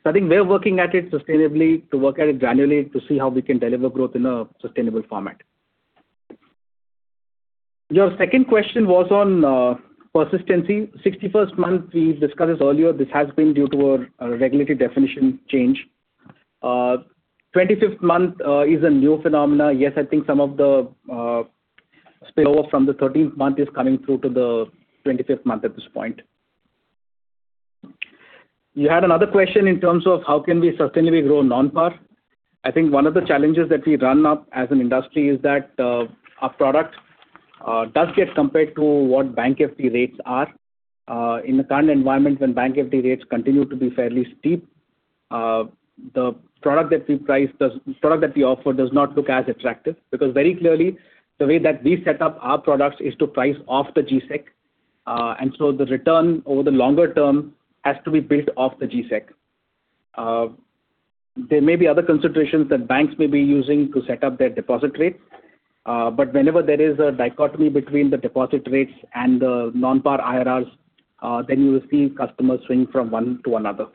I think we're working at it sustainably to work at it granularly to see how we can deliver growth in a sustainable format. Your second question was on persistency. 61st month, we've discussed this earlier. This has been due to a regulatory definition change. 25th month is a new phenomena. Yes, I think some of the spillover from the 13th month is coming through to the 25th month at this point. You had another question in terms of how can we sustainably grow non-par. I think one of the challenges that we run up as an industry is that our product does get compared to what bank FD rates are. In the current environment when bank FD rates continue to be fairly steep, the product that we offer does not look as attractive because very clearly the way that we set up our products is to price off the G-Sec. The return over the longer term has to be built off the G-Sec. There may be other considerations that banks may be using to set up their deposit rates, but whenever there is a dichotomy between the deposit rates and the non-par IRRs, then you will see customers swing from one to another.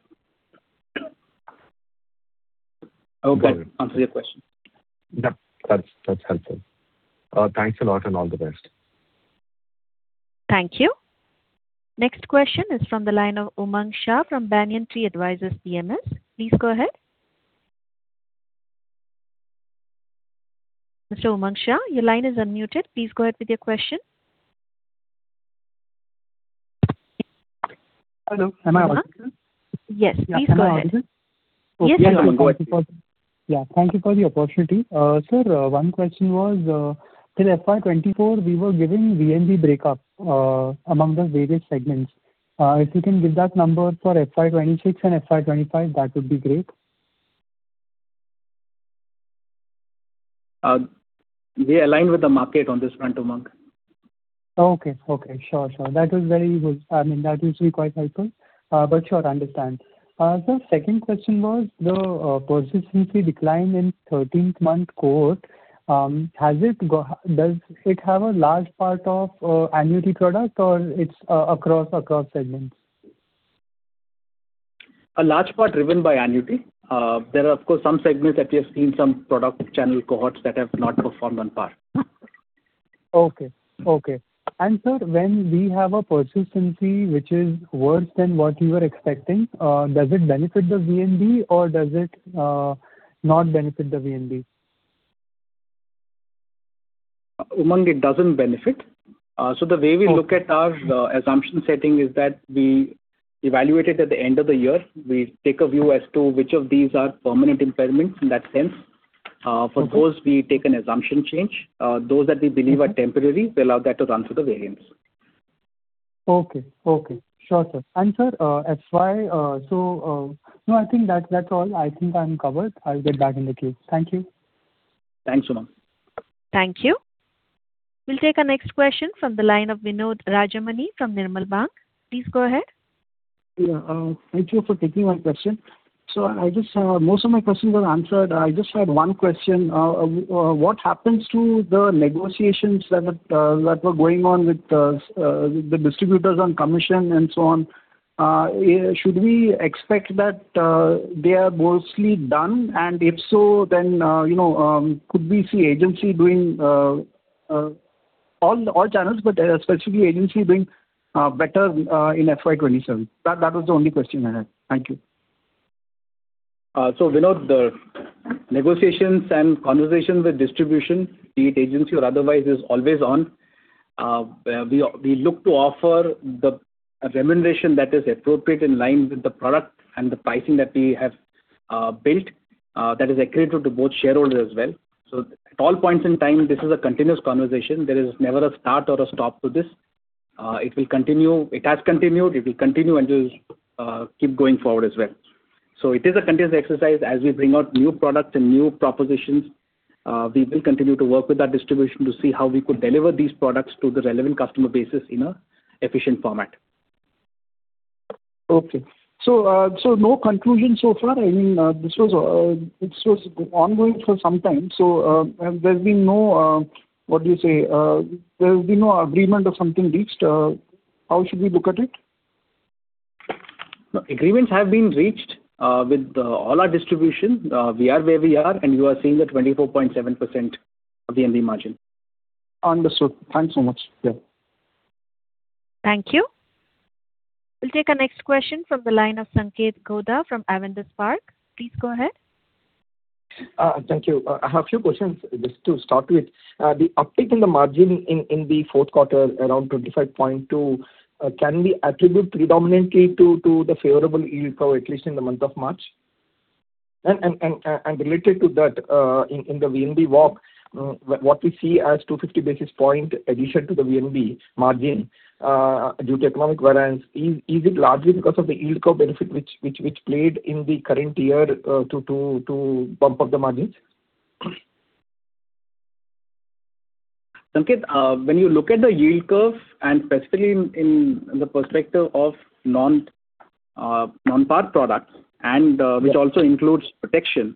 I hope that answers your question. Yeah. That's helpful. Thanks a lot and all the best. Thank you. Next question is from the line of Umang Shah from Banyan Tree Advisors PMS. Please go ahead. Mr. Umang Shah, your line is unmuted. Please go ahead with your question. Hello. Am I audible? Yes, please go ahead. Yeah. Am I audible? Yes, you are audible. Yeah. Thank you for the opportunity. Sir, one question was, till FY 2024 we were giving VNB breakup among the various segments. If you can give that number for FY 2026 and FY 2025, that would be great. We align with the market on this front, Umang. Okay. Sure. That is very good. That is required input. Sure, I understand. Sir, second question was the persistency decline in 13th month cohort. Does it have a large part of annuity product or it's across segments? A large part driven by annuity, there are, of course, some segments that we have seen, some product channel cohorts that have not performed on par. Okay. Sir, when we have a persistency which is worse than what you were expecting, does it benefit the VNB or does it not benefit the VNB? Umang, it doesn't benefit. The way we look at our assumption setting is that we evaluate it at the end of the year. We take a view as to which of these are permanent impairments in that sense. For those, we take an assumption change. Those that we believe are temporary, we allow that to run through the variance. Okay. Sure, sir. No, I think that's all. I think I'm covered. I'll get back in the queue. Thank you. Thanks, Umang. Thank you. We'll take our next question from the line of Vinod Rajamani from Nirmal Bang. Please go ahead. Yeah, thank you for taking my question. Most of my questions were answered. I just had one question. What happens to the negotiations that were going on with the distributors on commission and so on? Should we expect that they are mostly done and if so, then could we see Agency doing all channels but especially Agency doing better in FY 2027? That was the only question I had. Thank you. Vinod, the negotiations and conversations with distribution, be it agency or otherwise, is always on. We look to offer the remuneration that is appropriate in line with the product and the pricing that we have built that is accretive to both shareholders as well. At all points in time, this is a continuous conversation. There is never a start or a stop to this. It will continue. It has continued, it will continue and it will keep going forward as well. It is a continuous exercise. As we bring out new products and new propositions, we will continue to work with our distribution to see how we could deliver these products to the relevant customer bases in a efficient format. Okay. No conclusion so far? I mean, this was ongoing for some time. What do you say? There's been no agreement or something reached. How should we look at it? No. Agreements have been reached with all our distribution. We are where we are and you are seeing the 24.7% of the VNB margin. Understood. Thanks so much. Yeah. Thank you. We'll take our next question from the line of Sanket Godha from Avendus Spark. Please go ahead. Thank you. I have a few questions. Just to start with, the uptick in the margin in the fourth quarter, around 25.2%, can we attribute predominantly to the favorable yield curve, at least in the month of March? Related to that, in the VNB walk, what we see as 250 basis point addition to the VNB margin due to economic variance, is it largely because of the yield curve benefit which played in the current year to bump up the margins? Sanket, when you look at the yield curve and especially in the perspective of non-par products and which also includes protection,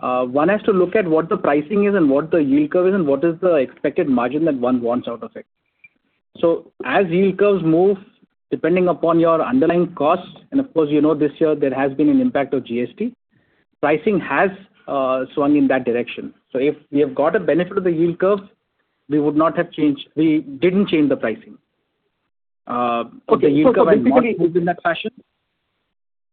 one has to look at what the pricing is and what the yield curve is and what is the expected margin that one wants out of it. As yield curves move, depending upon your underlying costs, and of course you know this year there has been an impact of GST, pricing has swung in that direction. If we have got a benefit of the yield curve, we didn't change the pricing. The yield curve has not moved in that fashion.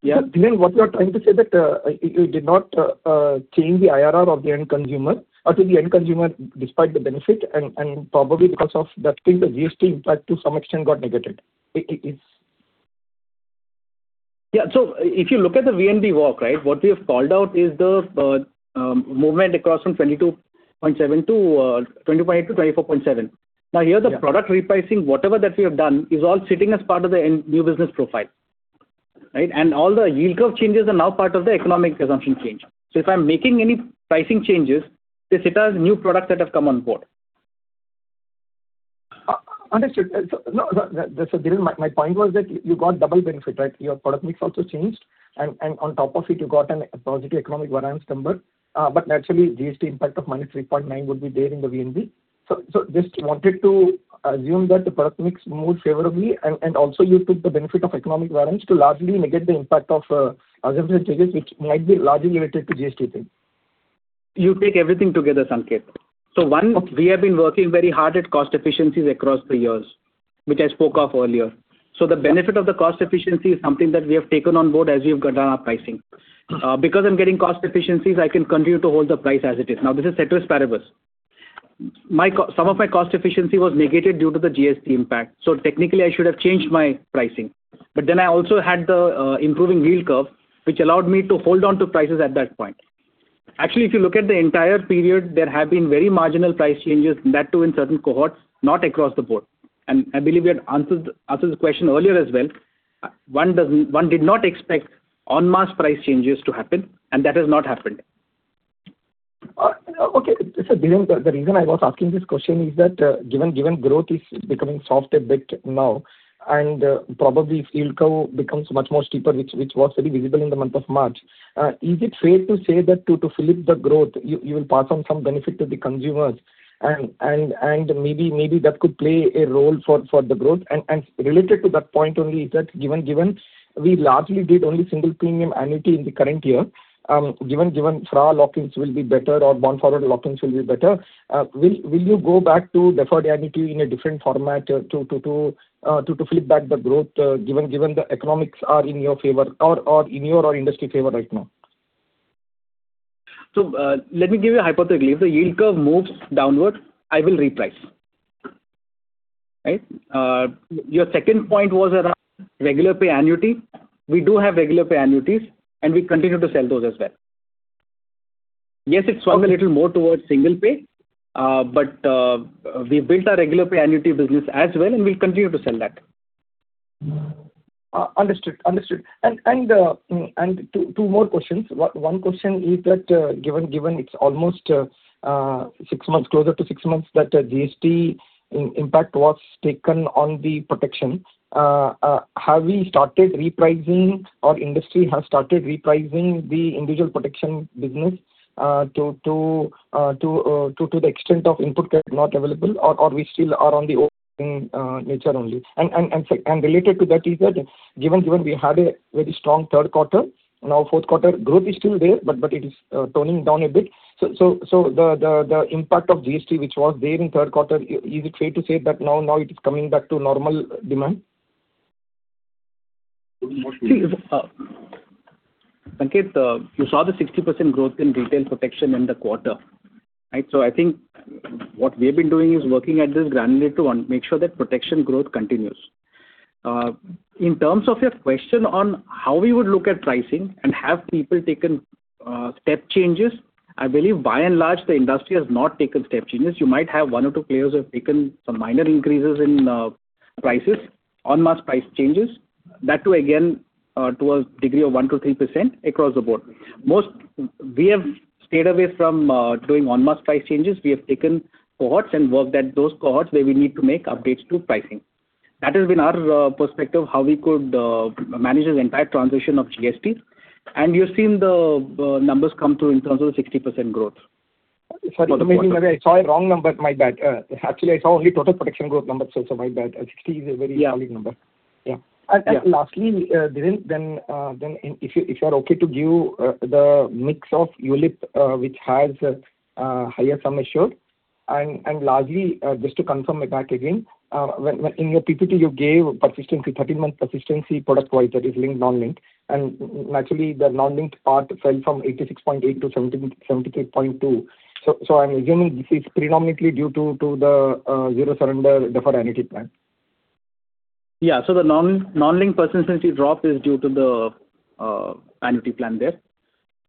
Yeah. Dhiren, what you are trying to say that you did not change the IRR of the end consumer or to the end consumer despite the benefit and probably because of that thing, the GST impact to some extent got negated? Yeah. If you look at the VNB walk, what we have called out is the movement across from 20.8%-24.7%. Now here the product repricing, whatever that we have done, is all sitting as part of the new business profile, right? All the yield curve changes are now part of the economic assumption change. If I'm making any pricing changes, they sit as new products that have come on board. Understood. Dhiren, my point was that you got double benefit, right? Your product mix also changed and on top of it you got a positive economic variance number. Naturally GST impact of -3.9% would be there in the VNB. I just wanted to assume that the product mix moved favorably and also you took the benefit of economic variance to largely negate the impact of assumption changes which might be largely related to GST pay. You take everything together, Sanket. One, we have been working very hard at cost efficiencies across the years, which I spoke of earlier. The benefit of the cost efficiency is something that we have taken on board as we have gone down our pricing. Because I'm getting cost efficiencies, I can continue to hold the price as it is. Now, this is ceteris paribus. Some of my cost efficiency was negated due to the GST impact. Technically I should have changed my pricing. I also had the improving yield curve, which allowed me to hold on to prices at that point. Actually, if you look at the entire period, there have been very marginal price changes, that too in certain cohorts, not across the board. I believe we had answered this question earlier as well. One did not expect en masse price changes to happen and that has not happened. Okay. Dhiren, the reason I was asking this question is that given growth is becoming soft a bit now and probably if yield curve becomes much more steeper, which was very visible in the month of March, is it fair to say that to flip the growth you will pass on some benefit to the consumers and maybe that could play a role for the growth? Related to that point only is that given we largely did only single premium annuity in the current year, given FRA lock-ins will be better or bond forward lock-ins will be better, will you go back to deferred annuity in a different format to flip back the growth given the economics are in your favor or in your industry favor right now? Let me give you a hypothetical. If the yield curve moves downward, I will reprice. Right? Your second point was around regular pay annuity. We do have regular pay annuities and we continue to sell those as well. Yes, it's swung a little more toward single pay but we've built our regular pay annuity business as well and we'll continue to sell that. Understood. Two more questions. One question is that given it's closer to six months that GST impact was taken on the protection, have we started repricing or industry has started repricing the individual protection business to the extent of input not available or we still are on the nature only? Related to that is that given we had a very strong third quarter, now fourth quarter growth is still there but it is toning down a bit. The impact of GST which was there in third quarter, is it fair to say that now it is coming back to normal demand? Sanket, you saw the 60% growth in retail protection in the quarter, right? I think what we have been doing is working at this granular to make sure that protection growth continues. In terms of your question on how we would look at pricing and have people taken step changes, I believe by and large, the industry has not taken step changes. You might have one or two players who have taken some minor increases in prices, en masse price changes. That too, again, to a degree of 1%-3% across the board. We have stayed away from doing en masse price changes. We have taken cohorts and worked at those cohorts where we need to make updates to pricing. That has been our perspective, how we could manage this entire transition of GST. You're seeing the numbers come through in terms of the 60% growth. Sorry, maybe I saw a wrong number. My bad. Actually, I saw only total protection growth numbers also. My bad. 60% is a very solid number. Yeah. Lastly, Dhiren, if you are okay to give the mix of ULIP which has higher sum assured and largely just to confirm my math again, in your PPT you gave persistency, 13-month persistency product-wide that is linked, non-linked and naturally the non-linked part fell from 86.8%-73.2%. I'm assuming this is predominantly due to the zero-surrender deferred annuity plan. Yeah. The non-linked persistency drop is due to the annuity plan there.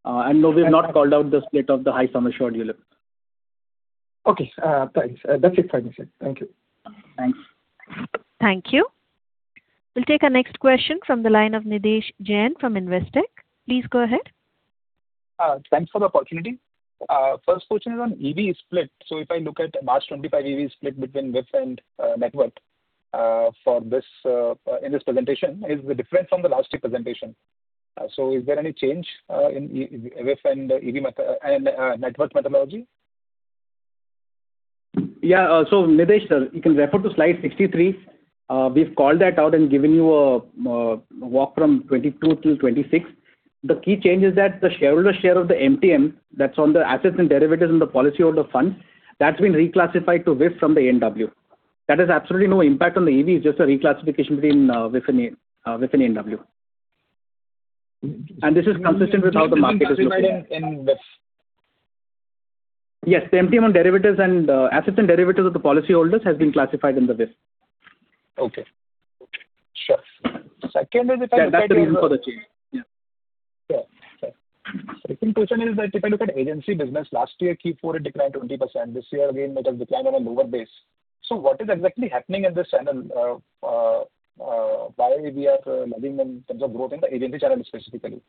No, we've not called out the split of the high sum assured ULIP. Okay. Thanks. That's it. Thank you, Sir. Thank you. Thanks. Thank you. We'll take our next question from the line of Nidhesh Jain from Investec. Please go ahead. Thanks for the opportunity. First question is on EV split. If I look at March 2025 EV split between VIF and NW in this presentation is different from the last year presentation. Is there any change in VIF and NW methodology? Yeah. Nidhesh, you can refer to slide 63. We've called that out and given you a walk from 2022 till 2026. The key change is that the shareholder share of the MTM that's on the assets and derivatives in the policyholder fund, that's been reclassified to VIF from the NW. That has absolutely no impact on the EV. It's just a reclassification between VIF and NW. This is consistent with how the market is looking at it. In VIF. Yes, the MTM on derivatives and assets and derivatives of the policyholders has been classified in the VIF. Okay. Sure. Second is- That's the reason for the change. Yeah. Sure. Second question is that if I look at agency business, last year Q4 had declined 20%. This year again, it has declined on a lower base. What is exactly happening in this channel? Why we are lagging in terms of growth in the agency channel specifically?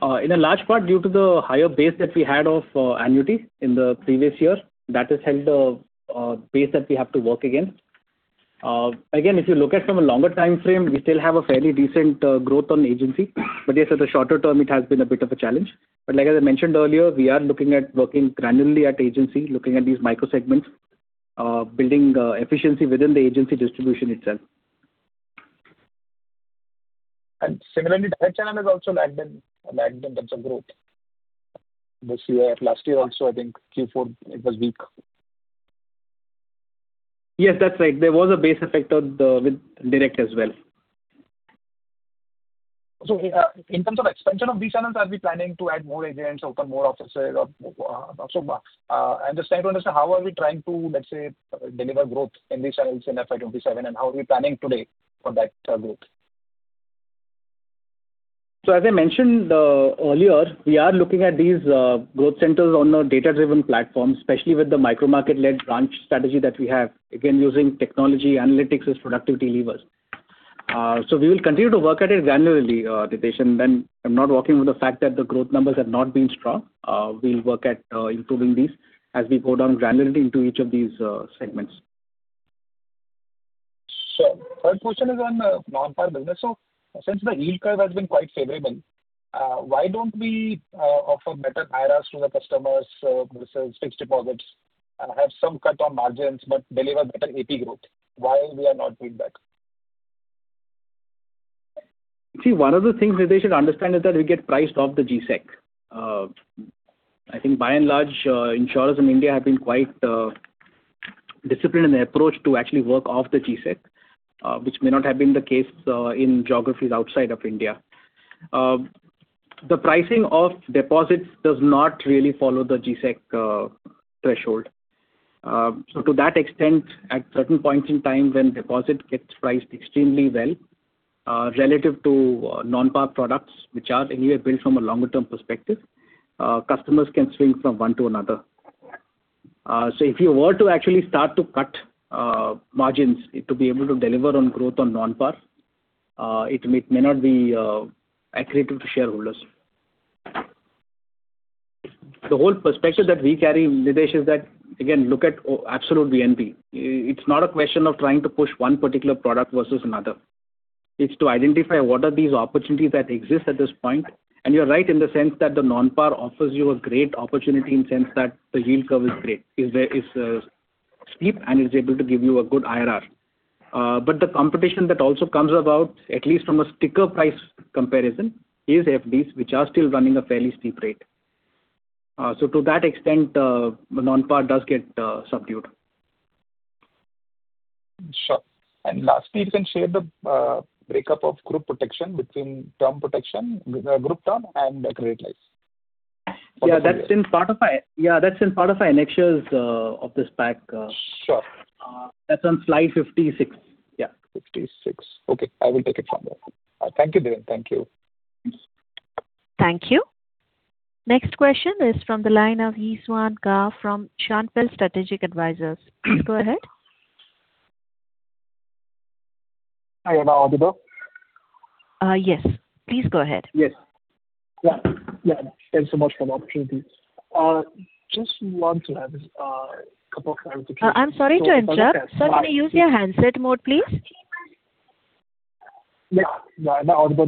In a large part due to the higher base that we had of annuity in the previous year, that has held a base that we have to work against. Again, if you look at from a longer timeframe, we still have a fairly decent growth on agency. Yes, at the shorter term it has been a bit of a challenge. Like as I mentioned earlier, we are looking at working granularly at agency, looking at these micro segments building efficiency within the agency distribution itself. Similarly, Direct channel has also lagged in terms of growth this year. Last year also, I think Q4 it was weak. Yes, that's right. There was a base effect with direct as well. In terms of expansion of these channels, are we planning to add more agents, open more offices? I'm just trying to understand how are we trying to, let's say, deliver growth in these channels in FY 2027 and how are we planning today for that growth? As I mentioned earlier, we are looking at these growth centers on a data-driven platform, especially with the micro-market led branch strategy that we have. Again, using technology analytics as productivity levers. We will continue to work at it granularly, Nidhesh, and I'm not arguing with the fact that the growth numbers have not been strong. We'll work at improving these as we go down granularly into each of these segments. Sure. Third question is on non-par business. Since the yield curve has been quite favorable, why don't we offer better IRRs to the customers versus fixed deposits? Have some cut on margins, but deliver better AP growth. Why we are not doing that? See, one of the things, Nidhesh, you should understand is that we get priced off the G-Sec. I think by and large, insurers in India have been quite disciplined in their approach to actually work off the G-Sec which may not have been the case in geographies outside of India. The pricing of deposits does not really follow the G-Sec threshold. To that extent, at certain points in time when deposit gets priced extremely well relative to non-par products, which are anyway built from a longer-term perspective, customers can swing from one to another. If you were to actually start to cut margins to be able to deliver on growth on non-par, it may not be accretive to shareholders. The whole perspective that we carry, Nidhesh, is that again, look at absolute VNB. It's not a question of trying to push one particular product versus another. It's to identify what are these opportunities that exist at this point. You're right in the sense that the non-par offers you a great opportunity in sense that the yield curve is great, is steep, and is able to give you a good IRR. The competition that also comes about, at least from a sticker price comparison, is FDs, which are still running a fairly steep rate. To that extent, non-par does get subdued. Sure. Lastly, you can share the breakup of Group Protection between Group Term and Credit Life. Yeah, that's in part of our annexures of this pack. Sure. That's on slide 56. Yeah. 56. Okay. I will take it from there. Thank you, Dhiren. Thank you. Thank you. Next question is from the line of Yi Swan Ga from Schonfeld Strategic Advisors. Go ahead. Hi, am I audible? Yes. Please go ahead. Yes. Yeah. Thanks so much for the opportunity. I just want to have a couple of clarifications. I'm sorry to interrupt. Sir, can you use your handset mode, please? Yeah. Am I audible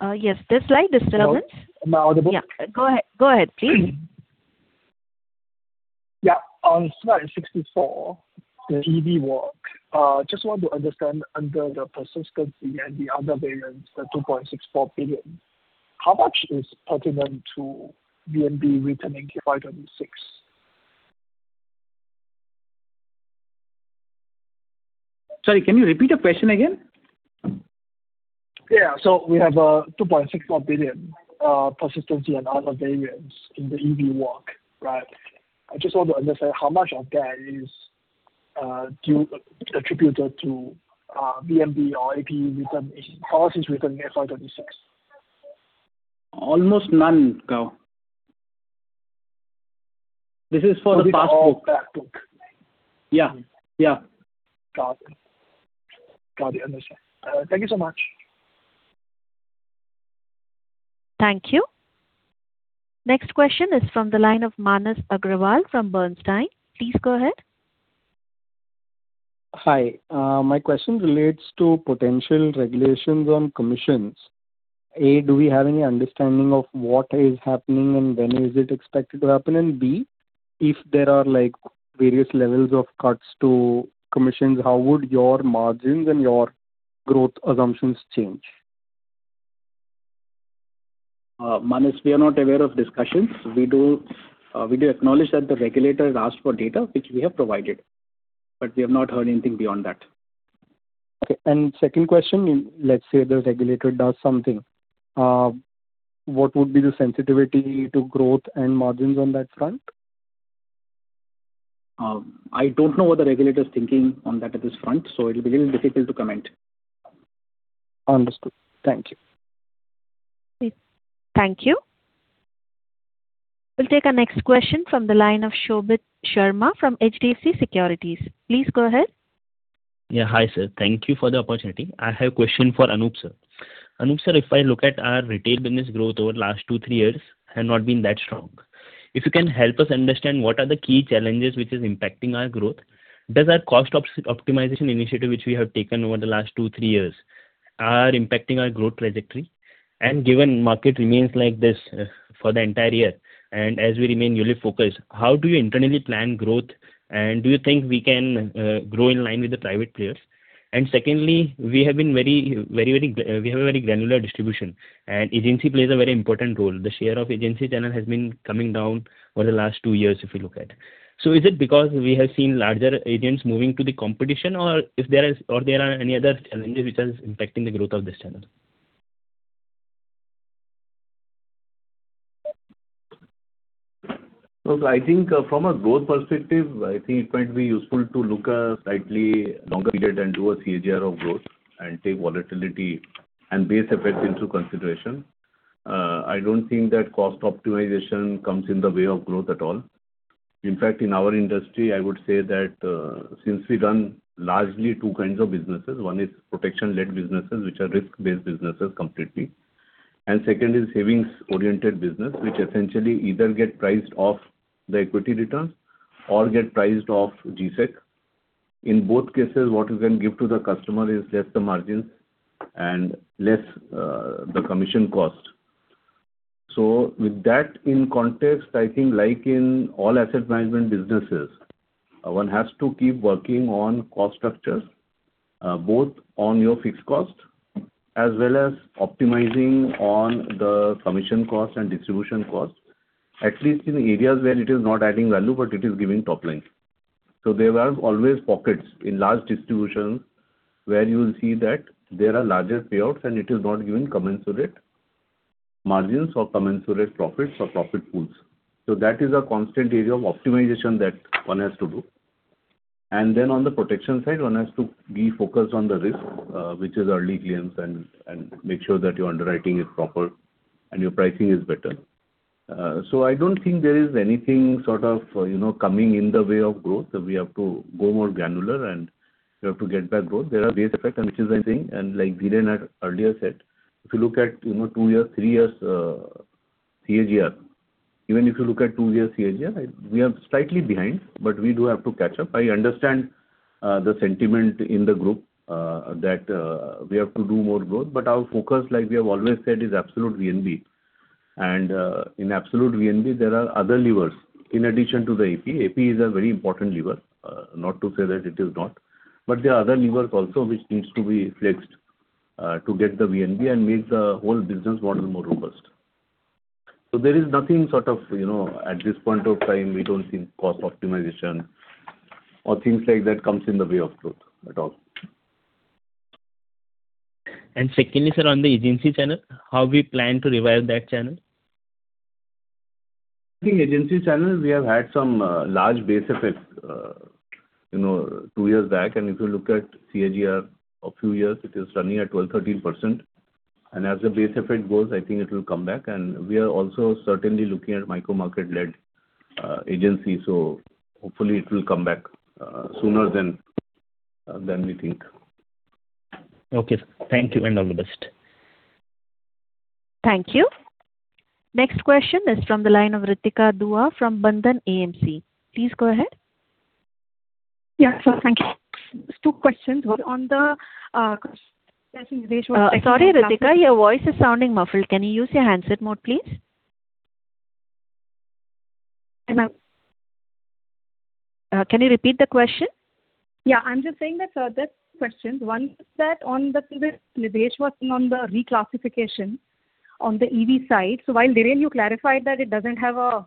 now? Yes. There's slight disturbance. Am I audible? Yeah. Go ahead, please. Yeah. On slide 64, the EV work, I just want to understand, under the persistency and the other variance, the 2.64 billion. How much is pertinent to VNB written in FY 2026? Sorry, can you repeat the question again? Yeah. We have 2.64 billion persistency and other variances in the EV work. Right. I just want to understand how much of that is attributed to VNB or AP policies written in FY 2026. Almost none, Ga. This is for the past book. This is all back book. Yeah. Got it. Got the answer. Thank you so much. Thank you. Next question is from the line of Manas Agrawal from Bernstein. Please go ahead. Hi. My question relates to potential regulations on commissions. A, do we have any understanding of what is happening and when is it expected to happen? B, if there are various levels of cuts to commissions, how would your margins and your growth assumptions change? Manas, we are not aware of discussions. We do acknowledge that the regulator has asked for data, which we have provided, but we have not heard anything beyond that. Okay. Second question, let's say the regulator does something. What would be the sensitivity to growth and margins on that front? I don't know what the regulator is thinking on that at this front, so it'll be little difficult to comment. Understood. Thank you. Thank you. We'll take our next question from the line of Shobhit Sharma from HDFC Securities. Please go ahead. Yeah. Hi, Sir. Thank you for the opportunity. I have a question for Anup, Sir. Anup, Sir, if I look at our retail business growth over last two to three years, had not been that strong. If you can help us understand what are the key challenges which is impacting our growth? Does our cost optimization initiative, which we have taken over the last two to three years, are impacting our growth trajectory? Given market remains like this for the entire year, and as we remain newly focused, how do you internally plan growth, and do you think we can grow in line with the private players? Secondly, we have a very granular distribution, and Agency plays a very important role. The share of Agency channel has been coming down over the last two years, if you look at. Is it because we have seen larger agents moving to the competition or there are any other challenges which are impacting the growth of this channel? Look, I think from a growth perspective, I think it might be useful to look a slightly longer period and do a CAGR of growth and take volatility and base effects into consideration. I don't think that cost optimization comes in the way of growth at all. In fact, in our industry, I would say that since we run largely two kinds of businesses, one is protection-led businesses, which are risk-based businesses completely, and second is savings-oriented business, which essentially either get priced off the equity returns or get priced off G-Sec. In both cases, what you can give to the customer is less the margin and less the commission cost. With that in context, I think like in all asset management businesses, one has to keep working on cost structures both on your fixed cost as well as optimizing on the commission cost and distribution cost, at least in areas where it is not adding value, but it is giving top line. There are always pockets in large distributions where you'll see that there are larger payouts and it is not giving commensurate margins or commensurate profits or profit pools. That is a constant area of optimization that one has to do. On the protection side, one has to be focused on the risk, which is early claims and make sure that your underwriting is proper and your pricing is better. I don't think there is anything coming in the way of growth that we have to go more granular and we have to get that growth. There are base effects and which is, I think, and like Dhiren had earlier said, if you look at two years, three years CAGR, even if you look at two years CAGR, we are slightly behind, but we do have to catch up. I understand the sentiment in the group that we have to do more growth, but our focus, like we have always said, is absolute VNB. In absolute VNB, there are other levers in addition to the APE. APE is a very important lever, not to say that it is not. There are other levers also which needs to be flexed. To get the VNB and make the whole business model more robust, at this point of time, we don't think cost optimization or things like that comes in the way of growth at all. Secondly, sir, on the agency channel, how we plan to revive that channel? The agency channel, we have had some large base effects two years back. If you look at CAGR a few years, it is running at 12%-13%. As the base effect goes, I think it will come back. We are also certainly looking at micro market-led agency, so hopefully it will come back sooner than we think. Okay, sir. Thank you and all the best. Thank you. Next question is from the line of Ritika Dua from Bandhan AMC. Please go ahead. Yeah, sure. Thank you. Two questions, one on the— Sorry, Ritika. Your voice is sounding muffled. Can you use your handset mode, please? Ma'am? Can you repeat the question? Yeah, I'm just saying that there are two questions. One is that on the thing on the reclassification on the EV side. While, Dhiren, you clarified that it doesn't have an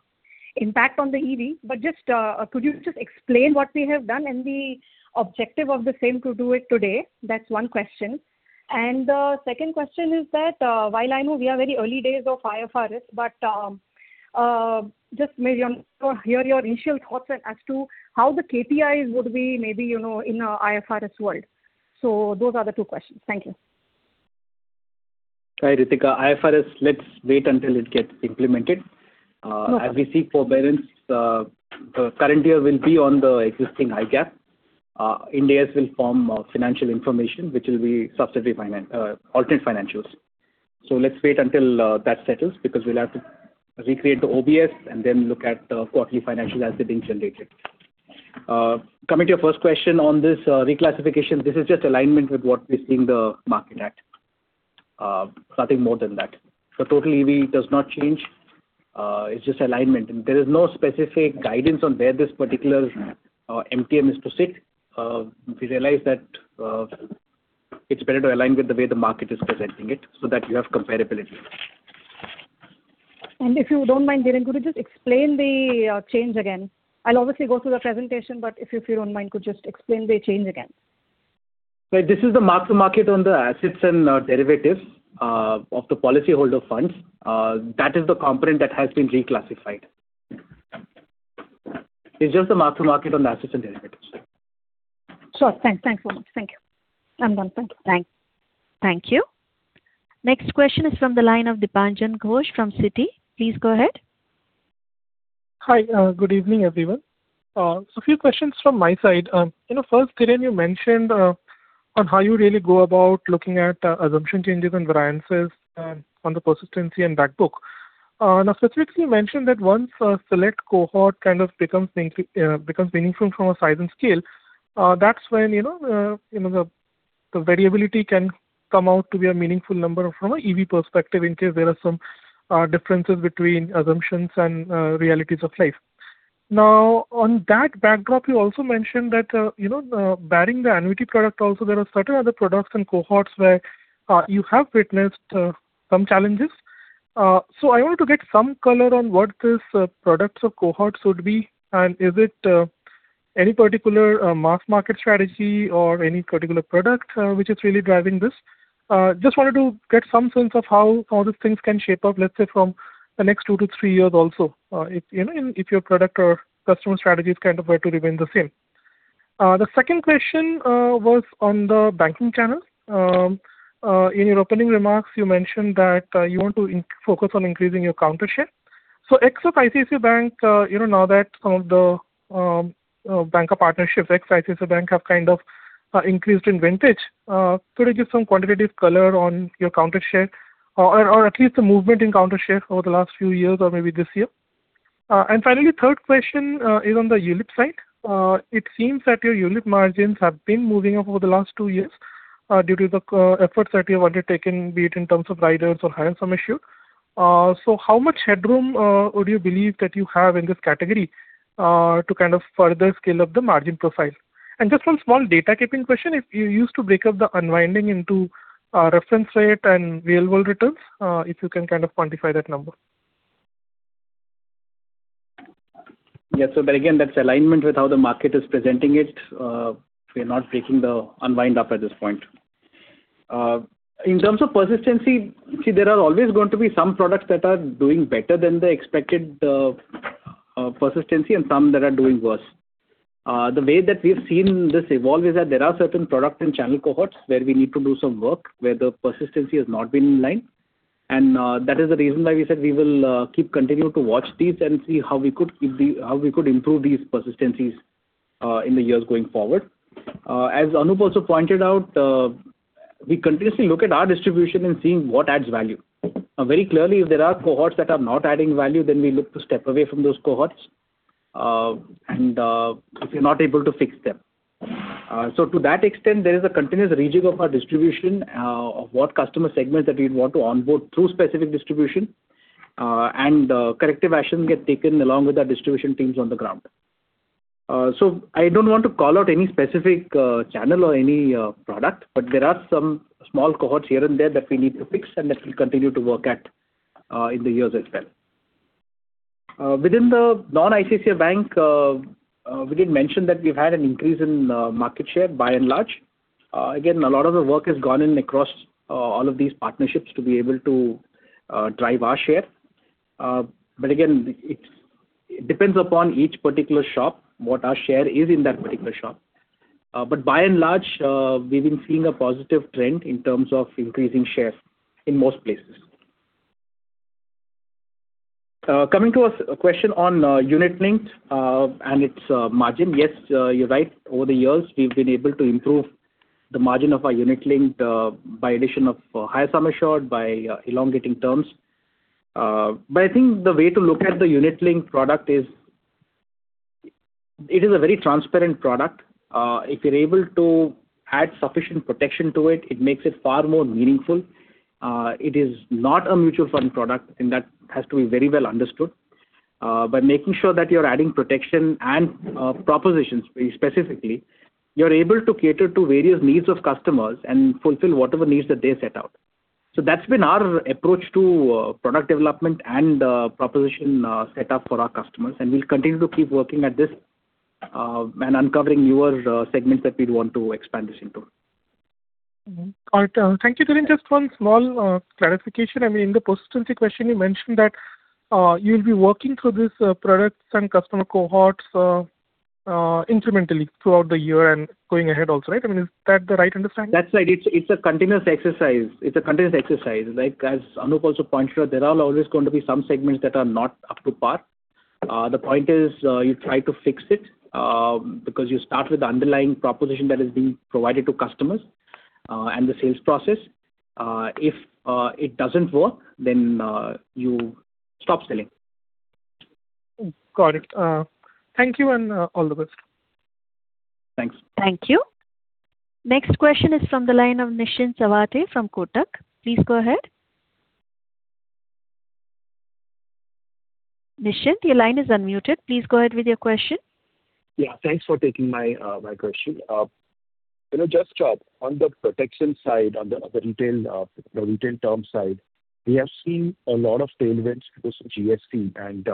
impact on the EV, but could you just explain what we have done and the objective of the same to do it today? That's one question. The second question is that, while I know we are very early days of IFRS, but just maybe on, hear your initial thoughts as to how the KPIs would be maybe in an IFRS world. Those are the two questions. Thank you. Right, Ritika. IFRS, let's wait until it gets implemented. As we see forbearance, the current year will be on the existing IGAAP. Ind AS will form financial information, which will be alternate financials. Let's wait until that settles because we'll have to recreate the OBS and then look at the quarterly financials as they're being generated. Coming to your first question on this reclassification, this is just alignment with what we see in the market. Nothing more than that. Total EV does not change. It's just alignment. There is no specific guidance on where this particular MTM is to sit. We realize that it's better to align with the way the market is presenting it so that you have comparability. If you don't mind, Dhiren, could you just explain the change again? I'll obviously go through the presentation, but if you don't mind, could you just explain the change again? This is the mark-to-market on the assets and derivatives of the policyholder funds. That is the component that has been reclassified. It's just the mark-to-market on the assets and derivatives. Sure. Thanks a lot. Thank you. I'm done. Thank you. Thank you. Next question is from the line of Dipanjan Ghosh from Citi. Please go ahead. Hi. Good evening, everyone. A few questions from my side. First, Dhiren, you mentioned on how you really go about looking at assumption changes and variances on the persistency and back book. Now, specifically you mentioned that once a select cohort kind of becomes meaningful from a size and scale, that's when the variability can come out to be a meaningful number from a EV perspective in case there are some differences between assumptions and realities of life. Now, on that backdrop, you also mentioned that barring the annuity product also, there are certain other products and cohorts where you have witnessed some challenges. I want to get some color on what this products or cohorts would be, and is it any particular mass market strategy or any particular product which is really driving this? Just wanted to get some sense of how all these things can shape up, let's say from the next two to three years also, if your product or customer strategy is kind of were to remain the same. The second question was on the banking channel. In your opening remarks, you mentioned that you want to focus on increasing your counter share. Ex of ICICI Bank, now that some of the bank partnerships, ex ICICI Bank have kind of increased in vintage, could you give some quantitative color on your counter share or at least the movement in counter share over the last few years or maybe this year? Finally, third question is on the ULIP side. It seems that your ULIP margins have been moving up over the last two years due to the efforts that you have undertaken, be it in terms of riders or high-end sum assured. How much headroom would you believe that you have in this category to kind of further scale up the margin profile? Just one small data keeping question. If you used to break up the unwinding into reference rate and available returns, if you can kind of quantify that number. Yeah, again, that's alignment with how the market is presenting it. We're not breaking the unwind up at this point. In terms of persistency, see, there are always going to be some products that are doing better than the expected persistency and some that are doing worse. The way that we've seen this evolve is that there are certain product and channel cohorts where we need to do some work, where the persistency has not been in line. That is the reason why we said we will keep continuing to watch these and see how we could improve these persistencies in the years going forward. As Anup also pointed out, we continuously look at our distribution and seeing what adds value. Now, very clearly, if there are cohorts that are not adding value, then we look to step away from those cohorts if we're not able to fix them. To that extent, there is a continuous rejig of our distribution of what customer segments that we'd want to onboard through specific distribution, and corrective actions get taken along with our distribution teams on the ground. I don't want to call out any specific channel or any product, but there are some small cohorts here and there that we need to fix and that we'll continue to work at in the years as well. Within the non-ICICI Bank, we did mention that we've had an increase in market share by and large. Again, a lot of the work has gone in across all of these partnerships to be able to drive our share. Again, it depends upon each particular shop what our share is in that particular shop. By and large, we've been seeing a positive trend in terms of increasing share in most places. Coming to a question on unit-linked and its margin, yes, you're right. Over the years, we've been able to improve the margin of our unit-linked by addition of higher sum assured by elongating terms. I think the way to look at the unit-linked product is, it is a very transparent product. If you're able to add sufficient protection to it makes it far more meaningful. It is not a mutual fund product, and that has to be very well understood. By making sure that you're adding protection and propositions very specifically, you're able to cater to various needs of customers and fulfill whatever needs that they set out. That's been our approach to product development and proposition set up for our customers. We'll continue to keep working at this, and uncovering newer segments that we'd want to expand this into. Got it. Thank you. Just one small clarification. In the persistency question you mentioned that you'll be working through these products and customer cohorts incrementally throughout the year and going ahead also, right? I mean, is that the right understanding? That's right. It's a continuous exercise, right. As Anup also pointed out, there are always going to be some segments that are not up to par. The point is, you try to fix it, because you start with the underlying proposition that is being provided to customers, and the sales process. If it doesn't work, then you stop selling. Got it. Thank you, and all the best. Thanks. Thank you. Next question is from the line of Nischint Chawathe from Kotak. Please go ahead. Nischint, your line is unmuted. Please go ahead with your question. Yeah, thanks for taking my question. Just on the protection side, on the retail term side, we have seen a lot of tailwinds because of GST and,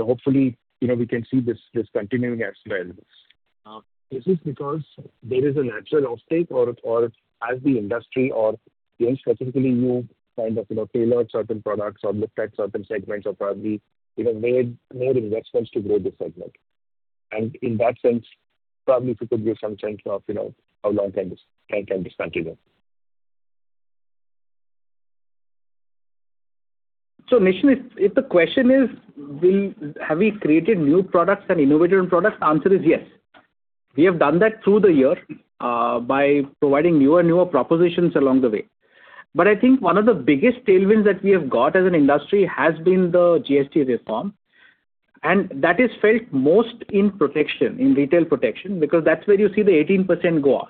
hopefully, we can see this continuing as well. Is this because there is a natural uptick or has the industry or again, specifically you kind of tailored certain products or looked at certain segments or probably made investments to grow this segment? In that sense, probably if you could give some sense of how long can this continue? Nischint, if the question is, have we created new products and innovative products? The answer is yes. We have done that through the year by providing newer propositions along the way. I think one of the biggest tailwinds that we have got as an industry has been the GST reform, and that is felt most in protection, in retail protection, because that's where you see the 18% go off.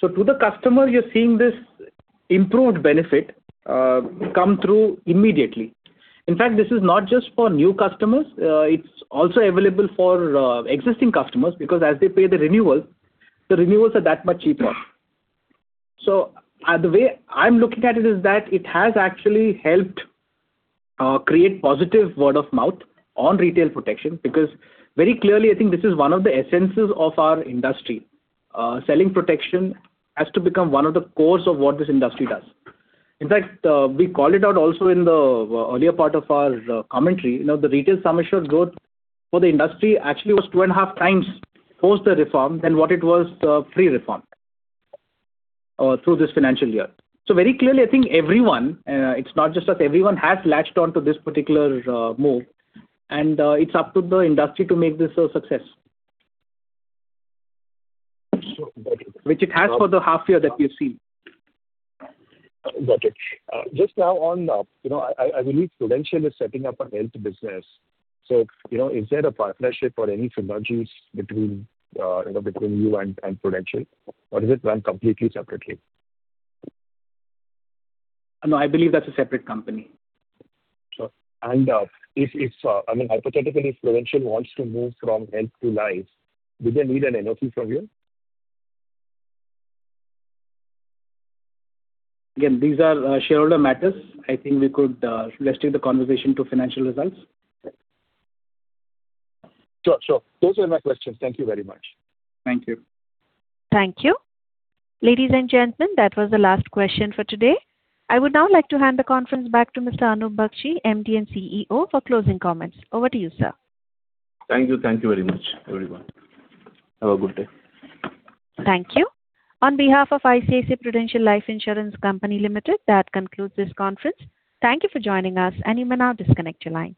To the customer, you're seeing this improved benefit come through immediately. In fact, this is not just for new customers, it's also available for existing customers because as they pay the renewal, the renewals are that much cheaper. The way I'm looking at it is that it has actually helped create positive word of mouth on retail protection because very clearly, I think this is one of the essences of our industry. Selling protection has to become one of the cores of what this industry does. In fact, we called it out also in the earlier part of our commentary. The retail sum assured growth for the industry actually was two and a half times post the reform than what it was pre-reform through this financial year. Very clearly, I think everyone, it's not just us, everyone has latched on to this particular move and it's up to the industry to make this a success. Got it. Which it has for the half year that we've seen. Got it. Just now on, I believe Prudential is setting up a health business. Is there a partnership or any synergies between you and Prudential, or does it run completely separately? No, I believe that's a separate company. Sure. If, hypothetically, Prudential wants to move from health to life, do they need an NOC from you? Again, these are shareholder matters. I think we could restrict the conversation to financial results. Sure. Those were my questions. Thank you very much. Thank you. Thank you. Ladies and gentlemen, that was the last question for today. I would now like to hand the conference back to Mr. Anup Bagchi, MD and CEO, for closing comments. Over to you, sir. Thank you very much, everyone. Have a good day. Thank you. On behalf of ICICI Prudential Life Insurance Company Limited, that concludes this conference. Thank you for joining us and you may now disconnect your lines.